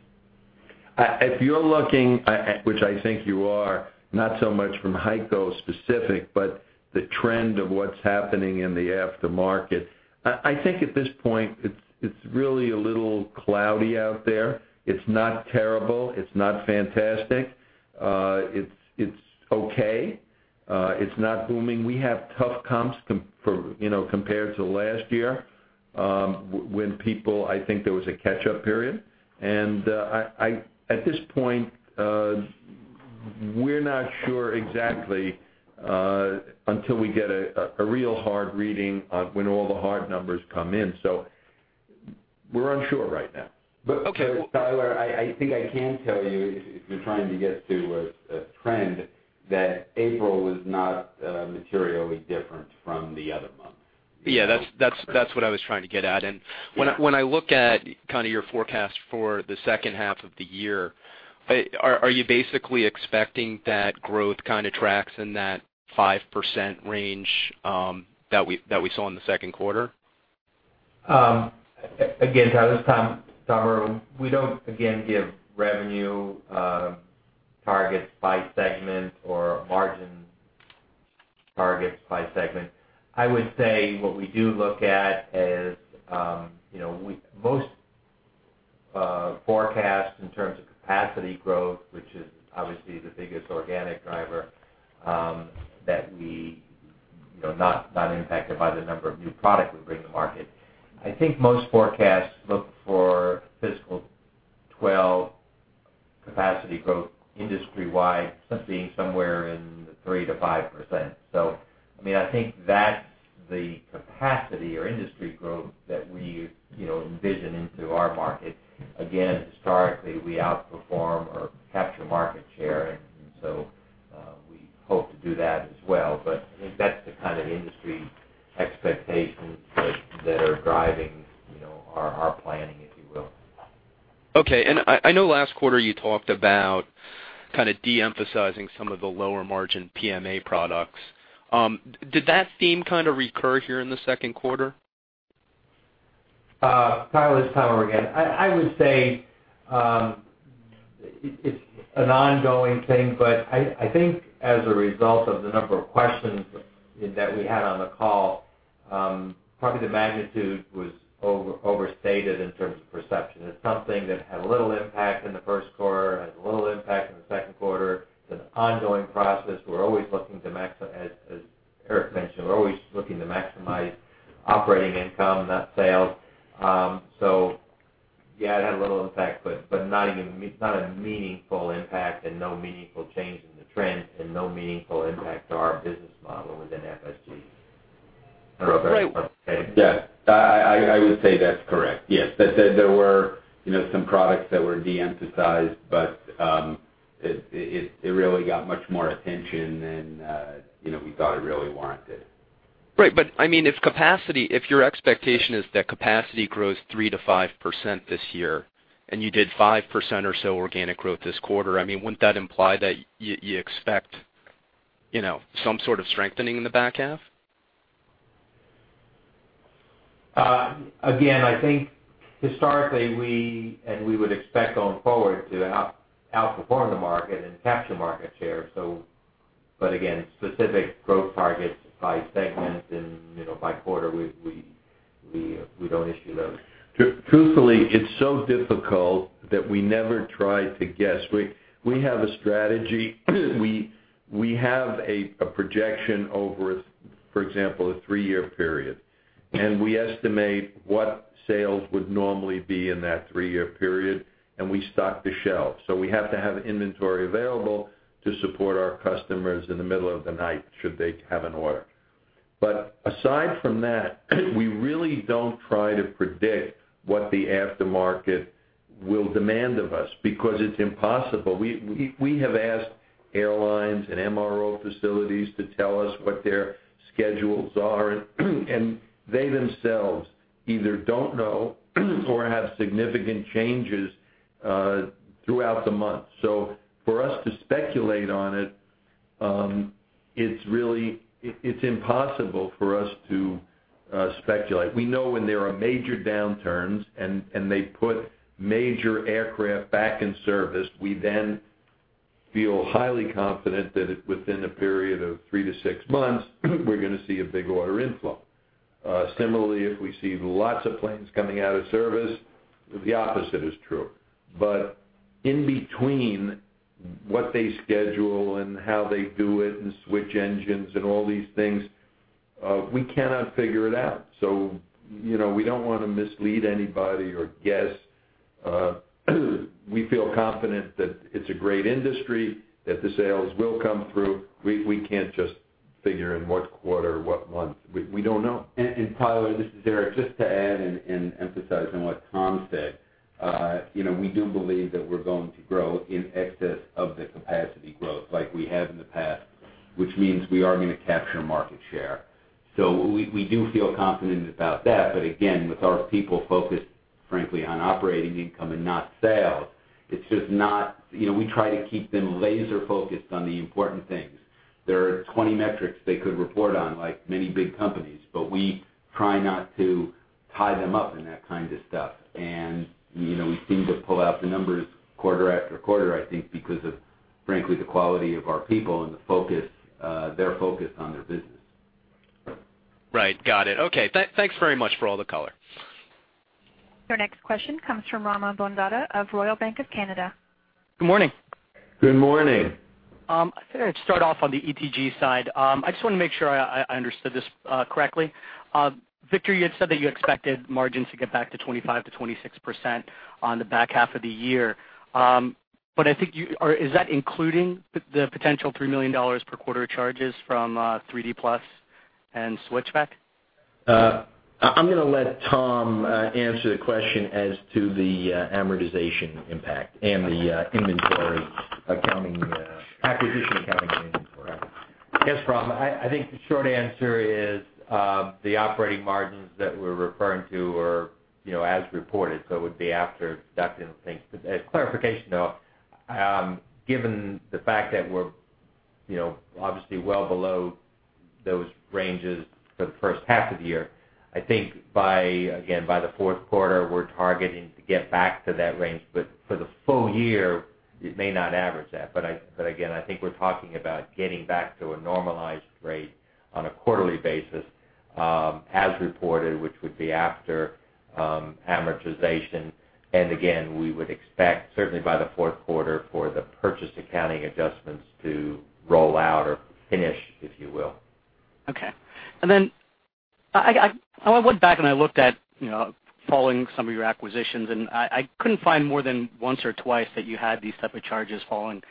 If you're looking at, which I think you are, not so much from HEICO specific, but the trend of what's happening in the aftermarket, I think at this point, it's really a little cloudy out there. It's not terrible. It's not fantastic. It's okay. It's not booming. We have tough comps compared to last year, when people, I think there was a catch-up period. At this point, we're not sure exactly until we get a real hard reading of when all the hard numbers come in. We're unsure right now. Okay. Tyler, I think I can tell you if you're trying to get to a trend, that April was not materially different from the other months. Yeah, that's what I was trying to get at. When I look at kind of your forecast for the second half of the year, are you basically expecting that growth kind of tracks in that 5% range that we saw in the second quarter? Again, Tyler, it's Tom. Tyler, we don't, again, give revenue targets by segment or margin targets by segment. I would say what we do look at is, most forecasts in terms of capacity growth, which is obviously the biggest organic driver, not impacted by the number of new products we bring to market. I think most forecasts look for fiscal 2012 capacity growth industry-wide being somewhere in the 3%-5%. I think that's the capacity or industry growth that we envision into our market. Again, historically, we outperform or capture market share, we hope to do that as well. I think that's the kind of industry expectations that are driving our planning, if you will. Okay. I know last quarter you talked about kind of de-emphasizing some of the lower margin PMA products. Did that theme kind of recur here in the second quarter? Tyler, it's Tom again. I would say, it's an ongoing thing, but I think as a result of the number of questions that we had on the call, probably the magnitude was overstated in terms of perception. It's something that had a little impact in the first quarter, had a little impact in the second quarter. It's an ongoing process. As Eric mentioned, we're always looking to maximize operating income, not sales. Yeah, it had a little impact, but not a meaningful impact and no meaningful change in the trend and no meaningful impact to our business model within FSG. Yeah, I would say that's correct. Yes. There were some products that were de-emphasized, it really got much more attention than we thought it really warranted. Right. If your expectation is that capacity grows 3%-5% this year, and you did 5% or so organic growth this quarter, wouldn't that imply that you expect some sort of strengthening in the back half? Again, I think historically, and we would expect going forward to outperform the market and capture market share. Again, specific growth targets by segment and by quarter, we don't issue those. Truthfully, it's so difficult that we never try to guess. We have a strategy. We have a projection over a three-year period. We estimate what sales would normally be in that three-year period, and we stock the shelves. We have to have inventory available to support our customers in the middle of the night should they have an order. Aside from that, we really don't try to predict what the aftermarket will demand of us, because it's impossible. We have asked airlines and MRO facilities to tell us what their schedules are, and they themselves either don't know or have significant changes throughout the month. For us to speculate on it's impossible for us to speculate. We know when there are major downturns, they put major aircraft back in service, we then feel highly confident that within a period of three to six months, we're going to see a big order inflow. Similarly, if we see lots of planes coming out of service, the opposite is true. In between what they schedule and how they do it and switch engines and all these things, we cannot figure it out. We don't want to mislead anybody or guess. We feel confident that it's a great industry, that the sales will come through. We can't just figure in what quarter, what month. We don't know. Tyler, this is Eric. Just to add and emphasize on what Tom said. We do believe that we're going to grow in excess of the capacity growth, like we have in the past, which means we are going to capture market share. We do feel confident about that. Again, with our people focused, frankly, on operating income and not sales, we try to keep them laser-focused on the important things. There are 20 metrics they could report on, like many big companies, but we try not to tie them up in that kind of stuff. We seem to pull out the numbers quarter after quarter, I think, because of, frankly, the quality of our people and their focus on their business. Right. Got it. Okay. Thanks very much for all the color. Your next question comes from Rama Bondada of Royal Bank of Canada. Good morning. Good morning. I figured I'd start off on the ETG side. I just want to make sure I understood this correctly. Victor, you had said that you expected margins to get back to 25%-26% on the back half of the year. Is that including the potential $3 million per quarter charges from 3D PLUS and Switchcraft? I'm going to let Tom answer the question as to the amortization impact and the inventory accounting, acquisition accounting and inventory. Yes, Rama. I think the short answer is, the operating margins that we're referring to are as reported, it would be after deducting the things. As clarification, though, given the fact that we're obviously well below those ranges for the first half of the year, I think, again, by the fourth quarter, we're targeting to get back to that range. For the full year, it may not average that. Again, I think we're talking about getting back to a normalized rate on a quarterly basis as reported, which would be after amortization. Again, we would expect, certainly by the fourth quarter, for the purchase accounting adjustments to roll out or finish, if you will. Okay. I went back and I looked at following some of your acquisitions, I couldn't find more than once or twice that you had these type of charges following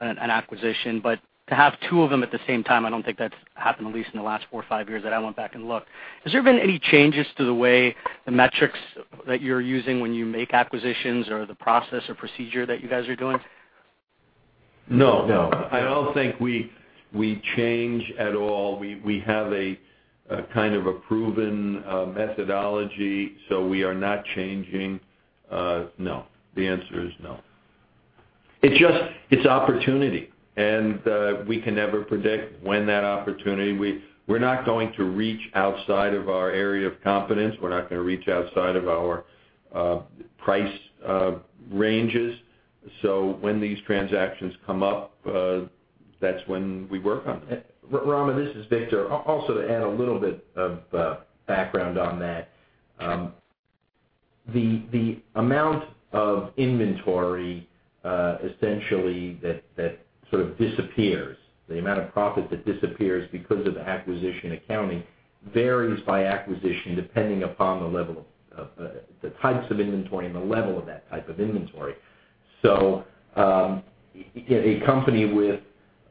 an acquisition. To have two of them at the same time, I don't think that's happened, at least in the last four or five years that I went back and looked. Has there been any changes to the way the metrics that you're using when you make acquisitions or the process or procedure that you guys are doing? No. I don't think we change at all. We have a kind of a proven methodology, we are not changing. No. The answer is no. It's opportunity, we can never predict. We're not going to reach outside of our area of competence. We're not going to reach outside of our price ranges. When these transactions come up, that's when we work on them. Rama, this is Victor. Also to add a little bit of background on that. The amount of inventory, essentially, that sort of disappears, the amount of profit that disappears because of acquisition accounting varies by acquisition depending upon the types of inventory and the level of that type of inventory. A company with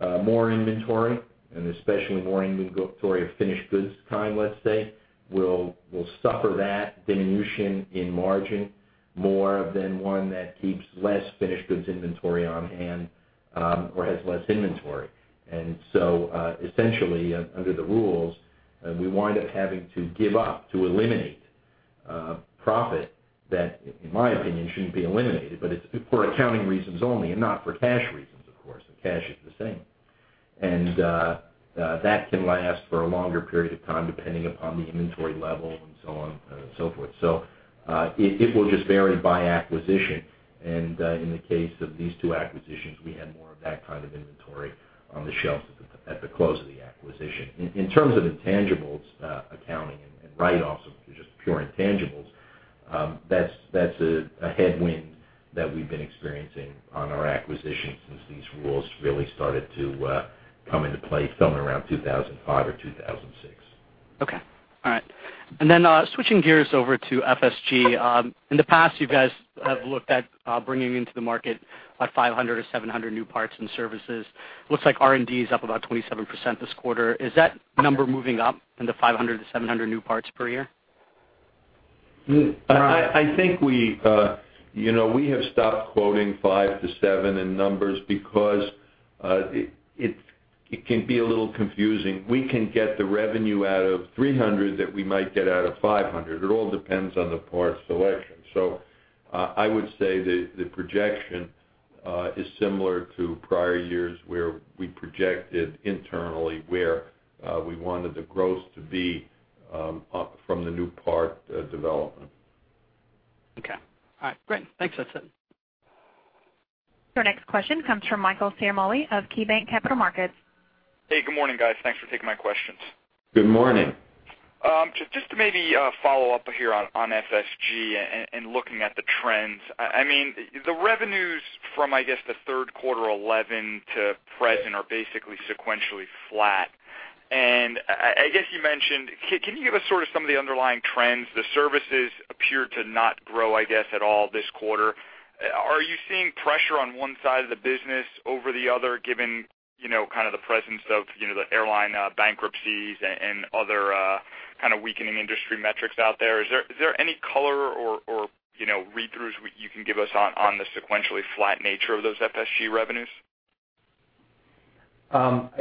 more inventory, and especially more inventory of finished goods kind, let's say, will suffer that diminution in margin more than one that keeps less finished goods inventory on hand or has less inventory. Essentially, under the rules, we wind up having to give up, to eliminate profit that, in my opinion, shouldn't be eliminated, but it's for accounting reasons only and not for cash reasons, of course. The cash is the same. That can last for a longer period of time, depending upon the inventory level and so on and so forth. It will just vary by acquisition, and in the case of these two acquisitions, we had more of that kind of inventory on the shelves at the close of the acquisition. In terms of intangibles. Accounting and write-offs of just pure intangibles, that's a headwind that we've been experiencing on our acquisitions since these rules really started to come into play somewhere around 2005 or 2006. Okay. All right. Switching gears over to FSG, in the past you guys have looked at bringing into the market like 500 or 700 new parts and services. Looks like R&D is up about 27% this quarter. Is that number moving up into 500 to 700 new parts per year? I think we have stopped quoting five to seven in numbers because it can be a little confusing. We can get the revenue out of 300 that we might get out of 500. It all depends on the part selection. I would say that the projection is similar to prior years where we projected internally where we wanted the growth to be from the new part development. Okay. All right, great. Thanks. That's it. Our next question comes from Michael Ciarmoli of KeyBanc Capital Markets. Hey, good morning, guys. Thanks for taking my questions. Good morning. Just to maybe follow up here on FSG and looking at the trends. I mean, the revenues from, I guess, the third quarter 2011 to present are basically sequentially flat, and I guess you mentioned, can you give us sort of some of the underlying trends? The services appear to not grow, I guess, at all this quarter. Are you seeing pressure on one side of the business over the other, given the presence of the airline bankruptcies and other kind of weakening industry metrics out there? Is there any color or read-throughs you can give us on the sequentially flat nature of those FSG revenues?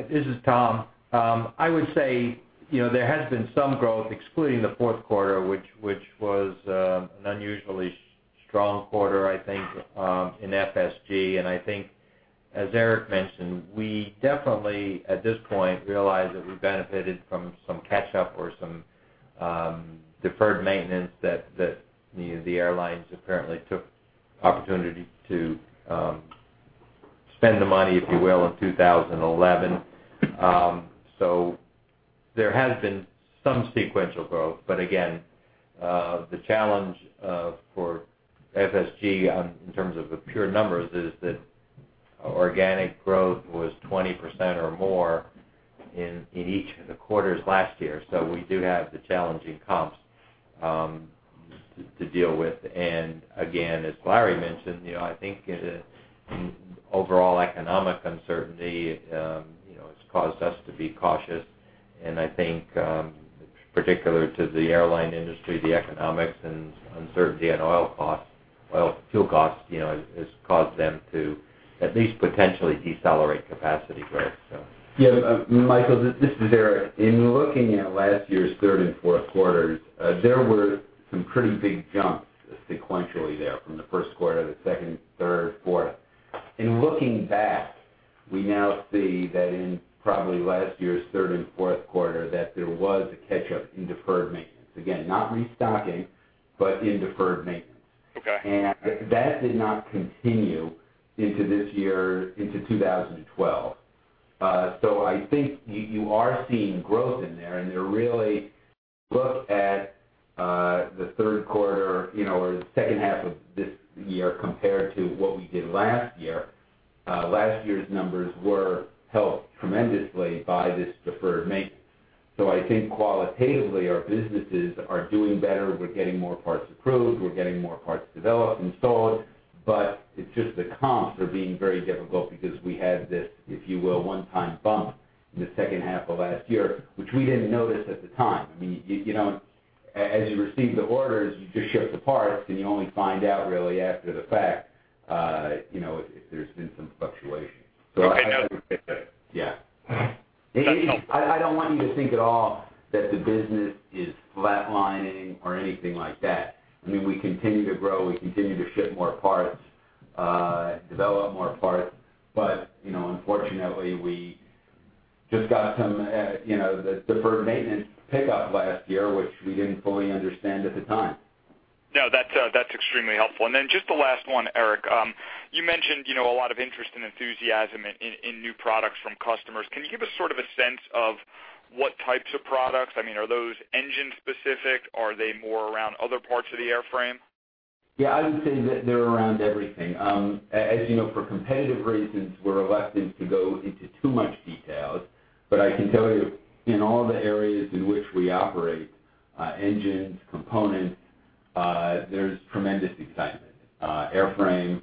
This is Tom. I would say there has been some growth excluding the fourth quarter, which was an unusually strong quarter, I think, in FSG. I think, as Eric mentioned, we definitely, at this point, realize that we benefited from some catch-up or some deferred maintenance that the airlines apparently took opportunity to spend the money, if you will, in 2011. There has been some sequential growth, but again, the challenge for FSG in terms of the pure numbers is that organic growth was 20% or more in each of the quarters last year. We do have the challenging comps to deal with. Again, as Larry mentioned, I think the overall economic uncertainty has caused us to be cautious. I think particular to the airline industry, the economics and uncertainty in oil costs, well, fuel costs, has caused them to at least potentially decelerate capacity growth so Yeah, Michael, this is Eric. In looking at last year's third and fourth quarters, there were some pretty big jumps sequentially there from the first quarter to second, third, fourth. In looking back, we now see that in probably last year's third and fourth quarter, that there was a catch-up in deferred maintenance. Again, not restocking, but in deferred maintenance. Okay. That did not continue into this year, into 2012. I think you are seeing growth in there, to really look at the third quarter, or the second half of this year compared to what we did last year, last year's numbers were helped tremendously by this deferred maintenance. I think qualitatively, our businesses are doing better. We're getting more parts approved, we're getting more parts developed, installed, but it's just the comps are being very difficult because we had this, if you will, one-time bump in the second half of last year, which we didn't notice at the time. I mean, as you receive the orders, you just ship the parts, and you only find out really after the fact, if there's been some fluctuation. Okay. No, that's good. Yeah. That's helpful. I don't want you to think at all that the business is flatlining or anything like that. I mean, we continue to grow, we continue to ship more parts, develop more parts, but unfortunately, we just got some of the deferred maintenance pickup last year, which we didn't fully understand at the time. No, that's extremely helpful. Just the last one, Eric. You mentioned a lot of interest and enthusiasm in new products from customers. Can you give us sort of a sense of what types of products? I mean, are those engine specific? Are they more around other parts of the airframe? Yeah, I would say that they're around everything. As you know, for competitive reasons, we're reluctant to go into too much details, but I can tell you, in all the areas in which we operate, engines, components, there's tremendous excitement. Airframe,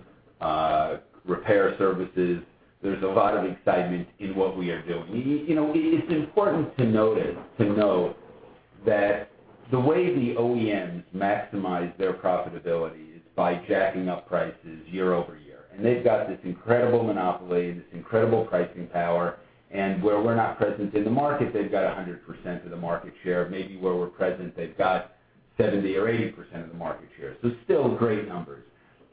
repair services, there's a lot of excitement in what we are doing. It's important to notice, to know that the way the OEMs maximize their profitability is by jacking up prices year-over-year. They've got this incredible monopoly, this incredible pricing power, and where we're not present in the market, they've got 100% of the market share. Maybe where we're present, they've got 70% or 80% of the market share. Still great numbers.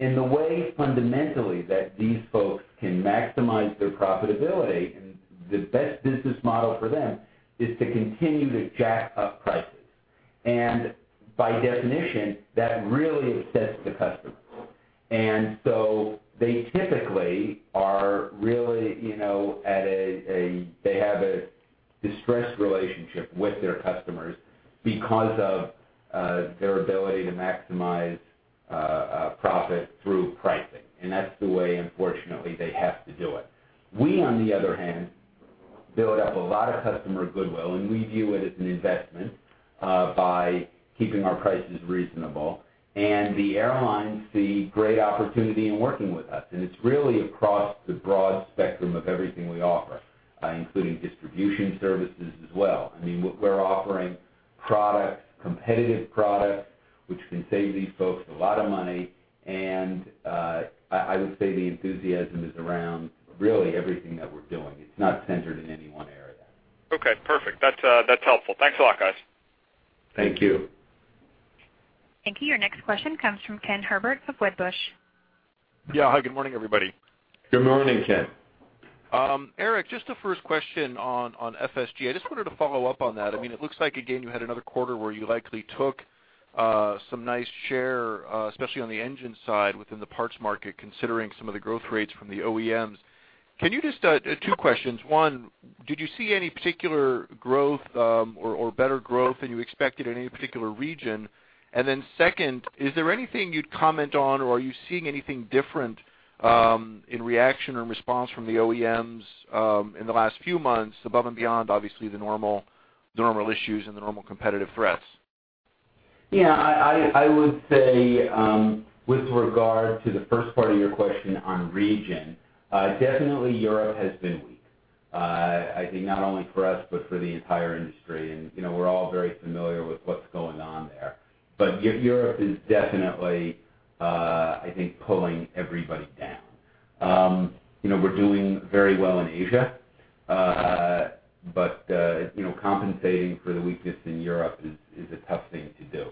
The way fundamentally that these folks can maximize their profitability, and the best business model for them, is to continue to jack up prices. By definition, that really upsets the customer. So they typically have a distressed relationship with their customers because of their ability to maximize profit through pricing. That's the way, unfortunately, they have to do it. We, on the other hand, build up a lot of customer goodwill, and we view it as an investment, by keeping our prices reasonable. The airlines see great opportunity in working with us. It's really across the broad spectrum of everything we offer, including distribution services as well. We're offering competitive products which can save these folks a lot of money, and I would say the enthusiasm is around really everything that we're doing. It's not centered in any one area. Okay, perfect. That's helpful. Thanks a lot, guys. Thank you. Thank you. Your next question comes from Ken Herbert of Wedbush. Yeah. Hi, good morning, everybody. Good morning, Ken. Eric, just the first question on FSG. I just wanted to follow up on that. It looks like, again, you had another quarter where you likely took some nice share, especially on the engine side within the parts market, considering some of the growth rates from the OEMs. Two questions. One, did you see any particular growth, or better growth than you expected in any particular region? Second, is there anything you'd comment on, or are you seeing anything different in reaction or response from the OEMs in the last few months above and beyond, obviously, the normal issues and the normal competitive threats? Yeah. I would say, with regard to the first part of your question on region, definitely Europe has been weak. I think not only for us, but for the entire industry. We're all very familiar with what's going on there. Europe is definitely, I think, pulling everybody down. We're doing very well in Asia. Compensating for the weakness in Europe is a tough thing to do.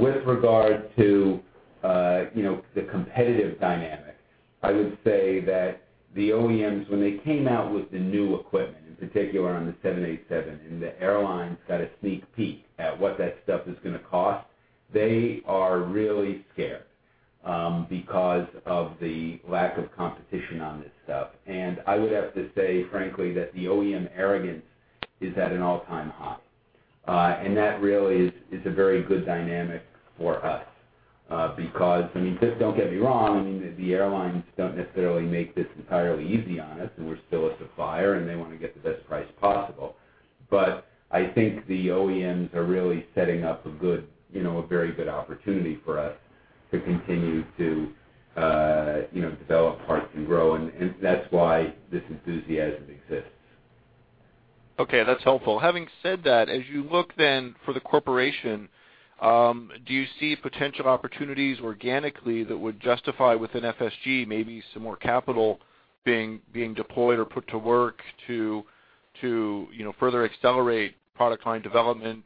With regard to the competitive dynamics, I would say that the OEMs, when they came out with the new equipment, in particular on the 787, and the airlines got a sneak peek at what that stuff is going to cost, they are really scared because of the lack of competition on this stuff. I would have to say, frankly, that the OEM arrogance is at an all-time high. That really is a very good dynamic for us because, just don't get me wrong, the airlines don't necessarily make this entirely easy on us, and we're still a supplier, and they want to get the best price possible. I think the OEMs are really setting up a very good opportunity for us to continue to develop parts and grow. That's why this enthusiasm exists. Okay. That's helpful. Having said that, as you look for the corporation, do you see potential opportunities organically that would justify within FSG, maybe some more capital being deployed or put to work to further accelerate product line development?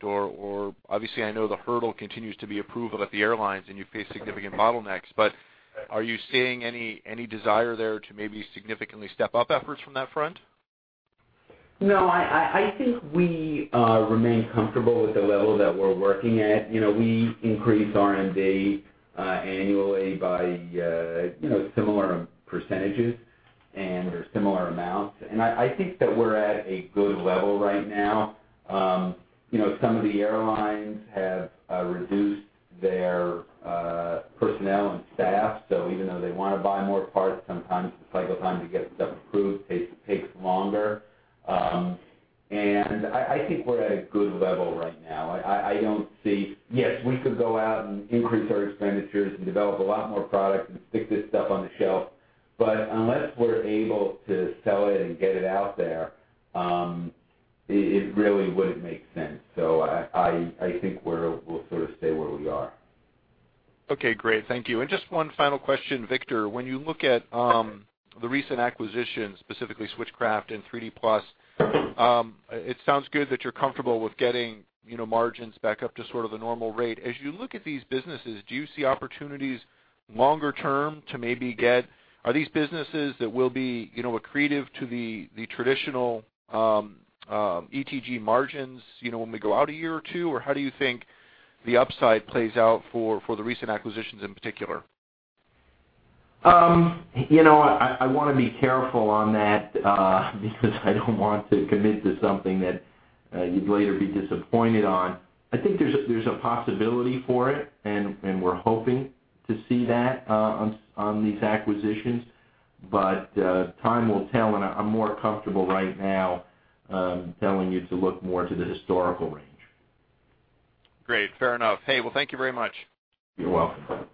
Obviously, I know the hurdle continues to be approval at the airlines, and you face significant bottlenecks, but are you seeing any desire there to maybe significantly step up efforts from that front? No, I think we remain comfortable with the level that we're working at. We increase R&D annually by similar percentages and similar amounts. I think that we're at a good level right now. Some of the airlines have reduced their personnel and staff. Even though they want to buy more parts, sometimes the cycle time to get stuff approved takes longer. I think we're at a good level right now. Yes, we could go out and increase our expenditures and develop a lot more products and stick this stuff on the shelf, but unless we're able to sell it and get it out there, it really wouldn't make sense. I think we'll sort of stay where we are. Okay, great. Thank you. Just one final question. Victor, when you look at the recent acquisitions, specifically Switchcraft and 3DPlus, it sounds good that you're comfortable with getting margins back up to sort of the normal rate. As you look at these businesses, do you see opportunities longer term? Are these businesses that will be accretive to the traditional ETG margins when we go out a year or two? How do you think the upside plays out for the recent acquisitions in particular? I want to be careful on that because I don't want to commit to something that you'd later be disappointed on. I think there's a possibility for it, and we're hoping to see that on these acquisitions. Time will tell, and I'm more comfortable right now telling you to look more to the historical range. Great. Fair enough. Well, thank you very much. You're welcome.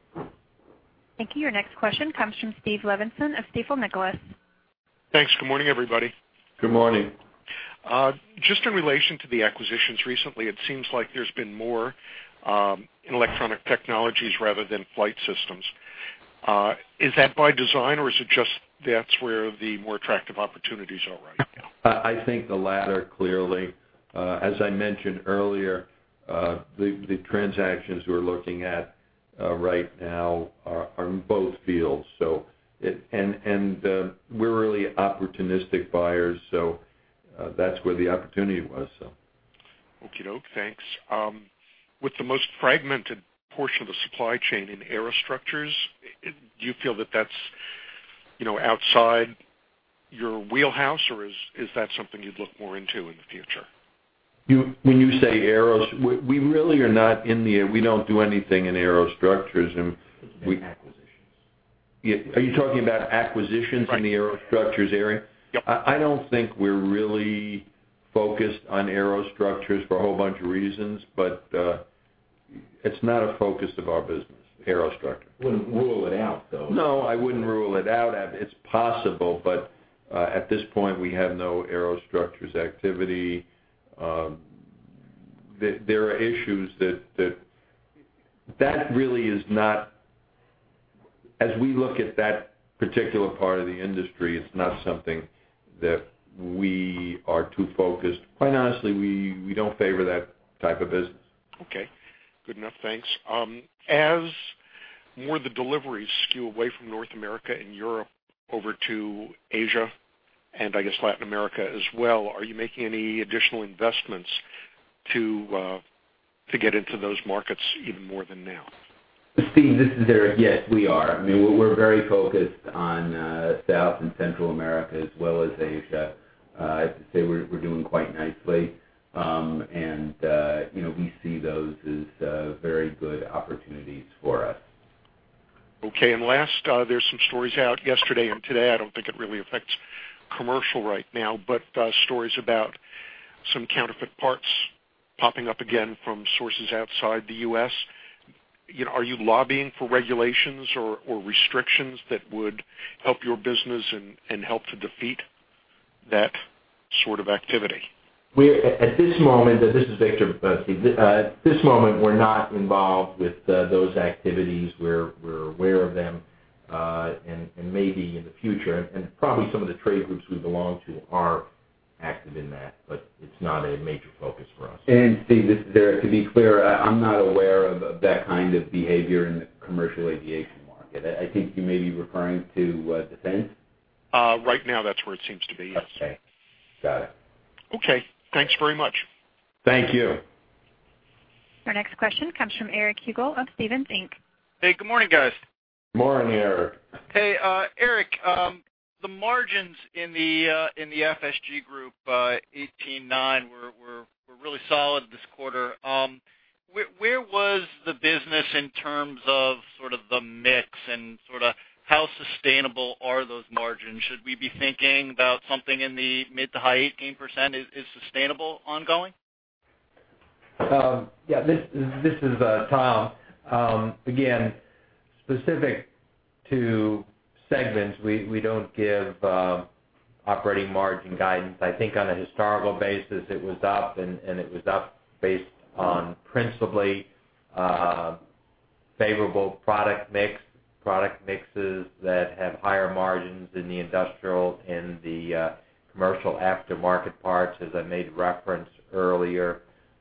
Thank you. Your next question comes from Steve Levinson of Stifel Nicolaus. Thanks. Good morning, everybody. Good morning. Just in relation to the acquisitions recently, it seems like there's been more in Electronic Technologies rather than Flight Support Group. Is that by design, or is it just that's where the more attractive opportunities are right now? I think the latter, clearly. As I mentioned earlier, the transactions we're looking at Right now are in both fields. We're really opportunistic buyers, so that's where the opportunity was. Okey-doke. Thanks. With the most fragmented portion of the supply chain in aerostructures, do you feel that that's outside your wheelhouse, or is that something you'd look more into in the future? When you say aero We don't do anything in aerostructures and we- In acquisitions. Are you talking about acquisitions- Right in the aerostructures area? Yep. I don't think we're really focused on aerostructures for a whole bunch of reasons, but it's not a focus of our business, aerostructure. Wouldn't rule it out, though. No, I wouldn't rule it out. It's possible, but, at this point, we have no aerostructures activity. There are issues. As we look at that particular part of the industry, it's not something that we are too focused. Quite honestly, we don't favor that type of business. Okay. Good enough. Thanks. As more of the deliveries skew away from North America and Europe over to Asia and I guess Latin America as well, are you making any additional investments to get into those markets even more than now? Stephen, this is Eric. Yes, we are. We're very focused on South and Central America as well as Asia. I'd say we're doing quite nicely. We see those as very good opportunities for us. Okay, last, there's some stories out yesterday and today, I don't think it really affects commercial right now, but stories about some counterfeit parts popping up again from sources outside the U.S. Are you lobbying for regulations or restrictions that would help your business and help to defeat that sort of activity? At this moment. This is Victor, by the way, Stephen. At this moment, we're not involved with those activities. We're aware of them, and maybe in the future, and probably some of the trade groups we belong to are active in that, but it's not a major focus for us. Stephen, this is Eric. To be clear, I'm not aware of that kind of behavior in the commercial aviation market. I think you may be referring to defense. Right now, that's where it seems to be, yes. Okay. Got it. Okay. Thanks very much. Thank you. Our next question comes from Eric Hugel of Stephens Inc. Hey, good morning, guys. Morning, Eric. Hey, Eric, the margins in the FSG group 18.9% were really solid this quarter. Where was the business in terms of sort of the mix, and how sustainable are those margins? Should we be thinking about something in the mid to high 18% is sustainable ongoing? This is Tom. Specific to segments, we don't give operating margin guidance. I think on a historical basis, it was up, and it was up based on principally favorable product mix, product mixes that have higher margins in the industrial, in the commercial aftermarket parts, as I made reference earlier.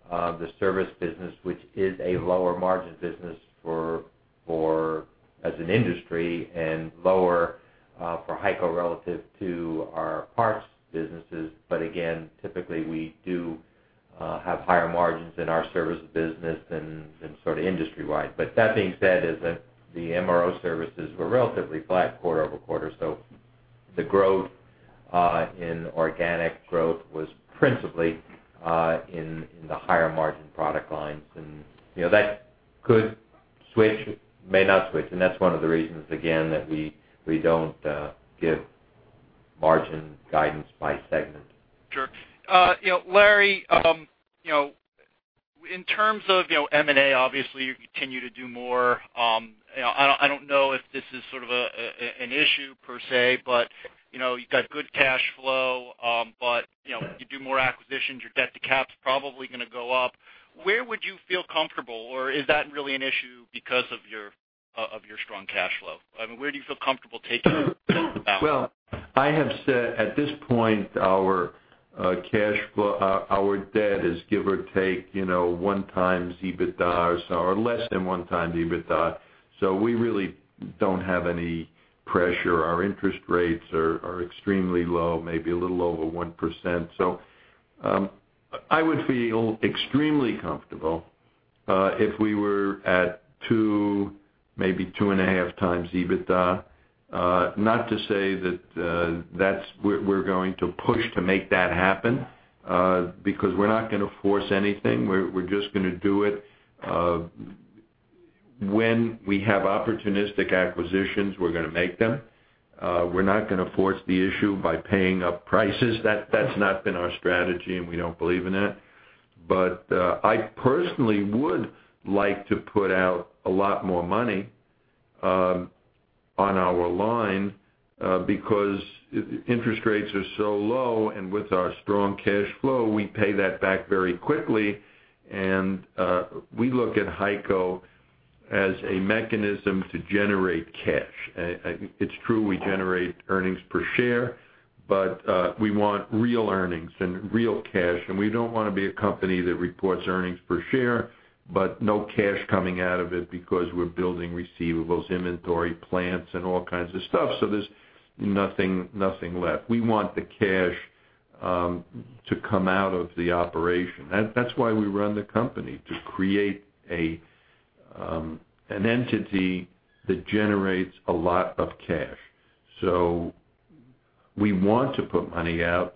The service business, which is a lower margin business as an industry, and lower for HEICO relative to our parts businesses. Again, typically, we do have higher margins in our services business than sort of industry-wide. That being said, is that the MRO services were relatively flat quarter-over-quarter. The growth in organic growth was principally in the higher margin product lines. That could switch, may not switch. That's one of the reasons, again, that we don't give margin guidance by segment. Sure. Larry, in terms of M&A, obviously, you continue to do more. I don't know if this is sort of an issue per se, you've got good cash flow. If you do more acquisitions, your debt to cap's probably going to go up. Where would you feel comfortable? Is that really an issue because of your strong cash flow? Where do you feel comfortable taking it balance? I have said, at this point, our debt is give or take 1 times EBITDA or less than 1 times EBITDA. We really don't have any pressure. Our interest rates are extremely low, maybe a little over 1%. I would feel extremely comfortable if we were at 2, maybe 2.5 times EBITDA. Not to say that we're going to push to make that happen, because we're not going to force anything. We're just going to do it. When we have opportunistic acquisitions, we're going to make them. We're not going to force the issue by paying up prices. That's not been our strategy, and we don't believe in that. I personally would like to put out a lot more money on our line, because interest rates are so low, and with our strong cash flow, we pay that back very quickly, and we look at HEICO as a mechanism to generate cash. It's true we generate earnings per share. We want real earnings and real cash, and we don't want to be a company that reports earnings per share, but no cash coming out of it because we're building receivables, inventory, plants, and all kinds of stuff, so there's nothing left. We want the cash to come out of the operation. That's why we run the company, to create an entity that generates a lot of cash. We want to put money out,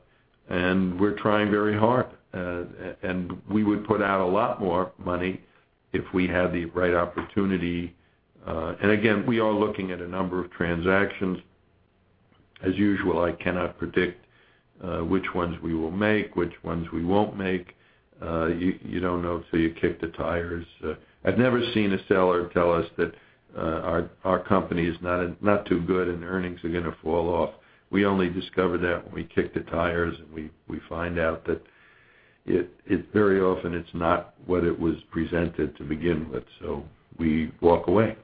and we're trying very hard. We would put out a lot more money if we had the right opportunity. Again, we are looking at a number of transactions. As usual, I cannot predict which ones we will make, which ones we won't make. You don't know until you kick the tires. I've never seen a seller tell us that our company is not too good and the earnings are going to fall off. We only discover that when we kick the tires, and we find out that very often it's not what it was presented to begin with, so we walk away.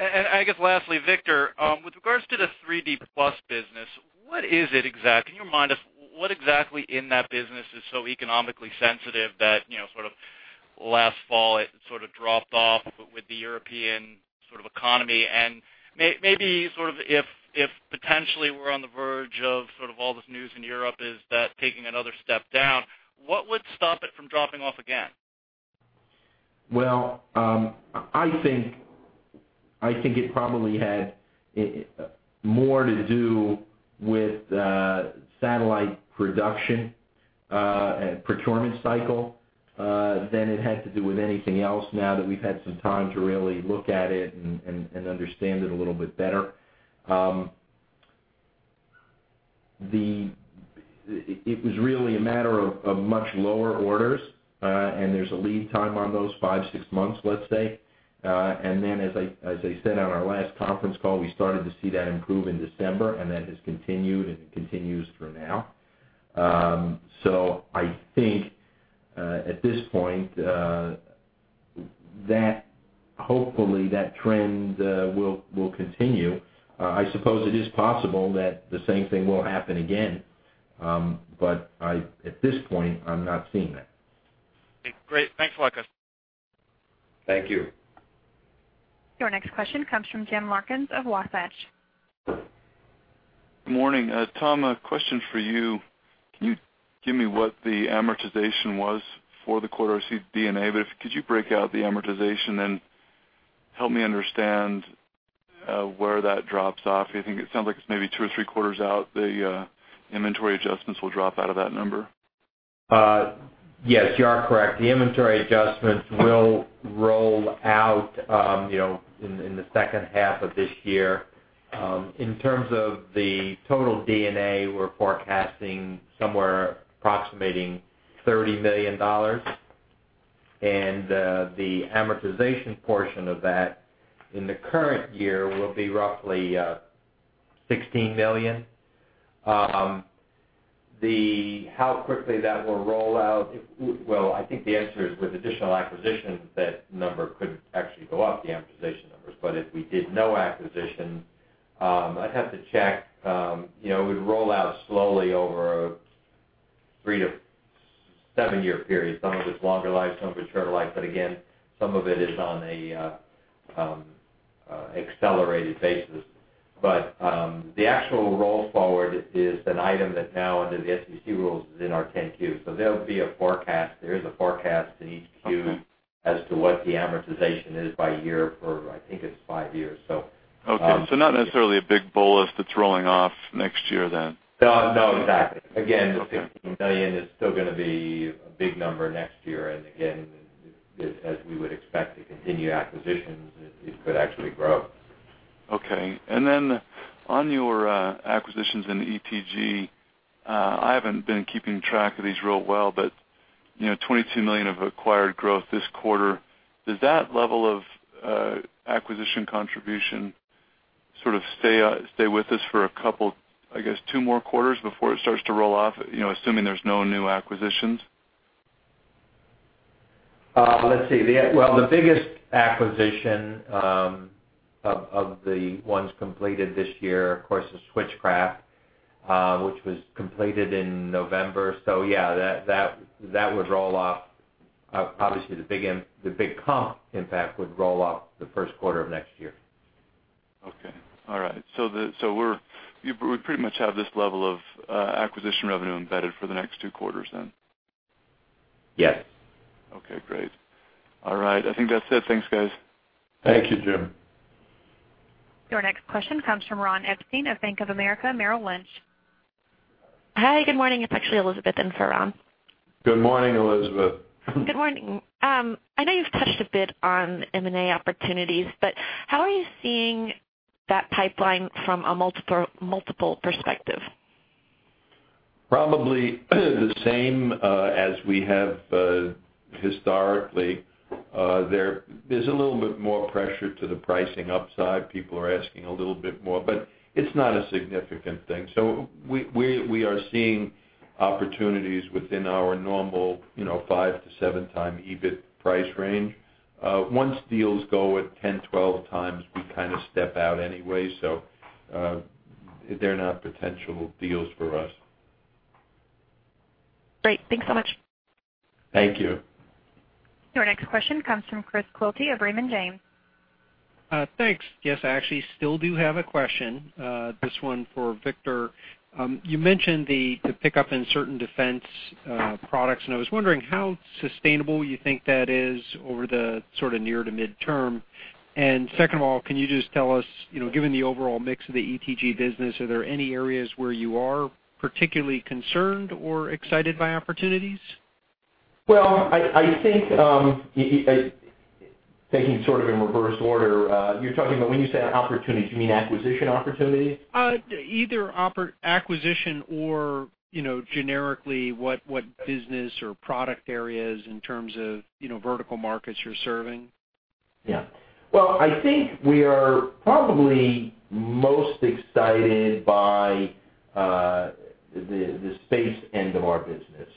I guess lastly, Victor, with regards to the 3D PLUS business, what is it exactly? Can you remind us what exactly in that business is so economically sensitive that last fall it sort of dropped off with the European economy? Maybe if potentially we're on the verge of all this news in Europe, is that taking another step down, what would stop it from dropping off again? Well, I think it probably had more to do with satellite production and procurement cycle than it had to do with anything else now that we've had some time to really look at it and understand it a little bit better. It was really a matter of much lower orders, and there's a lead time on those five, six months, let's say. Then, as I said on our last conference call, we started to see that improve in December, and that has continued and continues through now. I think, at this point, hopefully that trend will continue. I suppose it is possible that the same thing will happen again, but at this point, I'm not seeing that. Great. Thanks a lot, guys. Thank you. Your next question comes from Jim Larkins of Wasatch. Good morning. Tom, a question for you. Can you give me what the amortization was for the quarter? I see D&A, but could you break out the amortization and help me understand where that drops off? It sounds like it's maybe two or three quarters out, the inventory adjustments will drop out of that number. Yes, you are correct. The inventory adjustments will roll out in the second half of this year. In terms of the total D&A, we're forecasting somewhere approximating $30 million. The amortization portion of that in the current year will be roughly $16 million. How quickly that will roll out, well, I think the answer is with additional acquisitions, that number could actually go up, the amortization numbers. If we did no acquisition, I'd have to check. It would roll out slowly over a 3 to 7-year period. Some of it's longer life, some of it's shorter life, but again, some of it is on a accelerated basis. The actual roll forward is an item that now under the SEC rules is in our 10-Q. There is a forecast in each Q as to what the amortization is by year for, I think it's 5 years. Not necessarily a big bolus that's rolling off next year then? No, exactly. Okay. Again, the $16 million is still going to be a big number next year. Again, as we would expect to continue acquisitions, it could actually grow. Okay. On your acquisitions in ETG, I haven't been keeping track of these real well, but $22 million of acquired growth this quarter. Does that level of acquisition contribution sort of stay with us for, I guess, two more quarters before it starts to roll off, assuming there's no new acquisitions? Let's see. Well, the biggest acquisition of the ones completed this year, of course, is Switchcraft, which was completed in November. Yeah, that would roll off. Obviously, the big comp impact would roll off the first quarter of next year. Okay. All right. We pretty much have this level of acquisition revenue embedded for the next two quarters then. Yes. Okay, great. All right. I think that's it. Thanks, guys. Thank you, Jim. Your next question comes from Ronald Epstein of Bank of America Merrill Lynch. Hi, good morning. It's actually Elizabeth in for Ron. Good morning, Elizabeth. Good morning. I know you've touched a bit on M&A opportunities, how are you seeing that pipeline from a multiple perspective? Probably the same as we have historically. There's a little bit more pressure to the pricing upside. People are asking a little bit more, but it's not a significant thing. We are seeing opportunities within our normal 5 to 7 time EBIT price range. Once deals go at 10, 12 times, we kind of step out anyway, so they're not potential deals for us. Great. Thanks so much. Thank you. Your next question comes from Chris Quilty of Raymond James. Thanks. Yes, I actually still do have a question, this one for Victor. You mentioned the pickup in certain defense products, I was wondering how sustainable you think that is over the near to midterm. Second of all, can you just tell us, given the overall mix of the ETG business, are there any areas where you are particularly concerned or excited by opportunities? Well, I think, taking sort of in reverse order, you're talking about when you say opportunities, you mean acquisition opportunities? Either acquisition or generically, what business or product areas in terms of vertical markets you're serving. Yeah. Well, I think we are probably most excited by the space end of our business.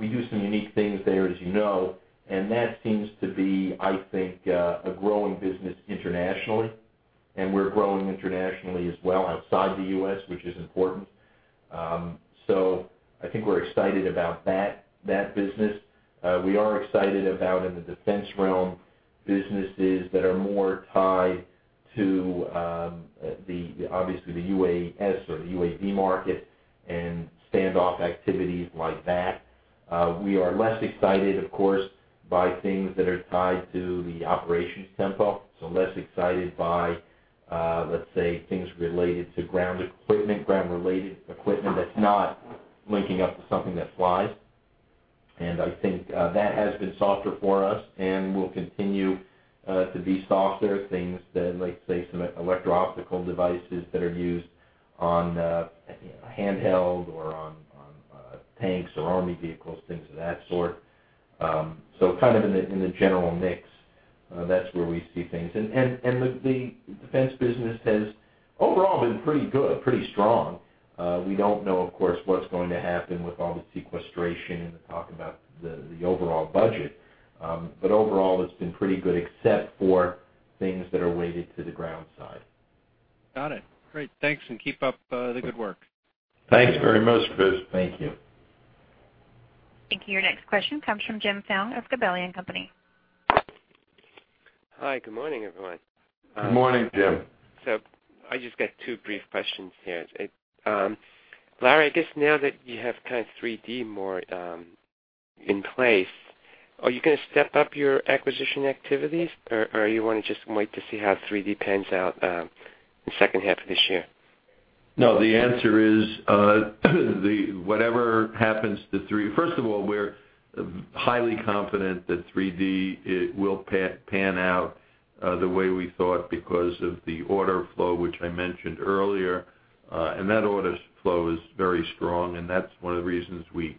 We do some unique things there, as you know, and that seems to be, I think, a growing business internationally, and we're growing internationally as well outside the U.S., which is important. I think we're excited about that business. We are excited about, in the defense realm, businesses that are more tied to, obviously the UAS or the UAV market and standoff activities like that. We are less excited, of course, by things that are tied to the operations tempo. Less excited by, let's say, things related to ground equipment, ground-related equipment that's not linking up to something that flies. I think that has been softer for us and will continue to be softer, things like, say, some electro-optical devices that are used on handheld or on tanks or army vehicles, things of that sort. Kind of in the general mix, that's where we see things. The defense business has overall been pretty good, pretty strong. We don't know, of course, what's going to happen with all the sequestration and the talk about the overall budget. Overall, it's been pretty good, except for things that are weighted to the ground side. Got it. Great. Thanks, and keep up the good work. Thanks very much, Chris. Thank you. Thank you. Your next question comes from Jim Foung of Gabelli & Company. Hi, good morning, everyone. Good morning, Jim. I just got two brief questions here. Larry, I guess now that you have kind of 3D PLUS more in place, are you going to step up your acquisition activities, or you want to just wait to see how 3D PLUS pans out in the second half of this year? The answer is, first of all, we're highly confident that 3D PLUS will pan out the way we thought because of the order flow, which I mentioned earlier. That order flow is very strong, and that's one of the reasons we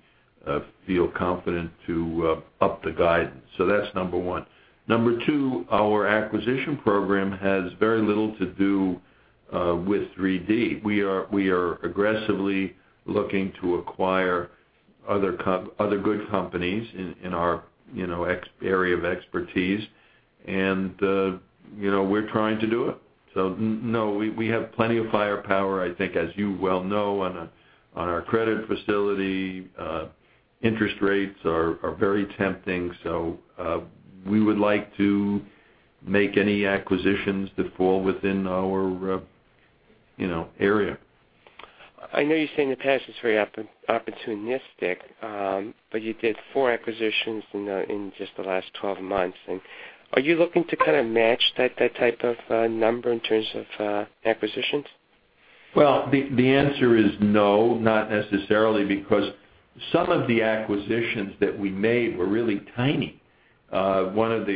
feel confident to up the guidance. That's number one. Number two, our acquisition program has very little to do with 3D PLUS. We are aggressively looking to acquire other good companies in our area of expertise, and we're trying to do it. We have plenty of firepower, I think, as you well know, on our credit facility. Interest rates are very tempting, we would like to make any acquisitions that fall within our area. I know you've said in the past it's very opportunistic, you did four acquisitions in just the last 12 months. Are you looking to kind of match that type of number in terms of acquisitions? The answer is no, not necessarily, because some of the acquisitions that we made were really tiny. Moritz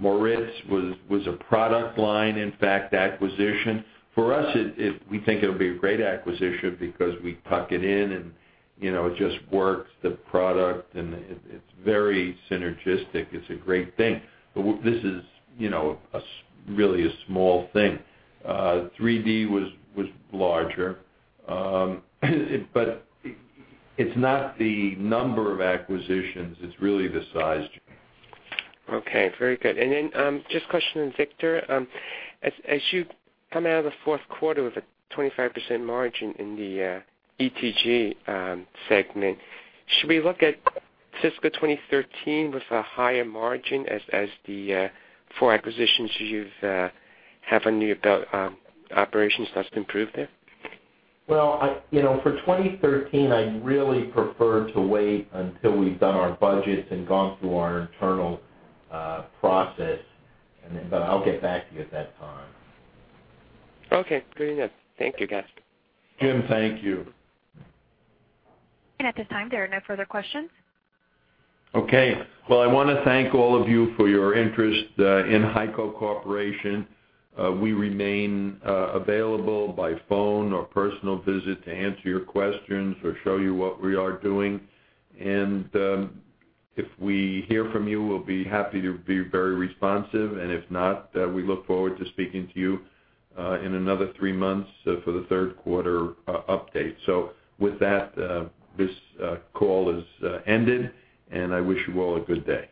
Aerospace was a product line, in fact, acquisition. For us, we think it'll be a great acquisition because we tuck it in and it just works, the product, and it's very synergistic. It's a great thing. This is really a small thing. 3D PLUS was larger. It's not the number of acquisitions, it's really the size. Okay. Very good. Just a question on Victor. As you come out of the fourth quarter with a 25% margin in the ETG segment, should we look at fiscal 2013 with a higher margin as the four acquisitions you have a new operations that's improved there? For 2013, I'd really prefer to wait until we've done our budgets and gone through our internal process. I'll get back to you at that time. Okay. Fair enough. Thank you, guys. Jim, thank you. At this time, there are no further questions. Okay. Well, I want to thank all of you for your interest in HEICO Corporation. We remain available by phone or personal visit to answer your questions or show you what we are doing. If we hear from you, we'll be happy to be very responsive. If not, we look forward to speaking to you in another three months for the third quarter update. With that, this call has ended, and I wish you all a good day.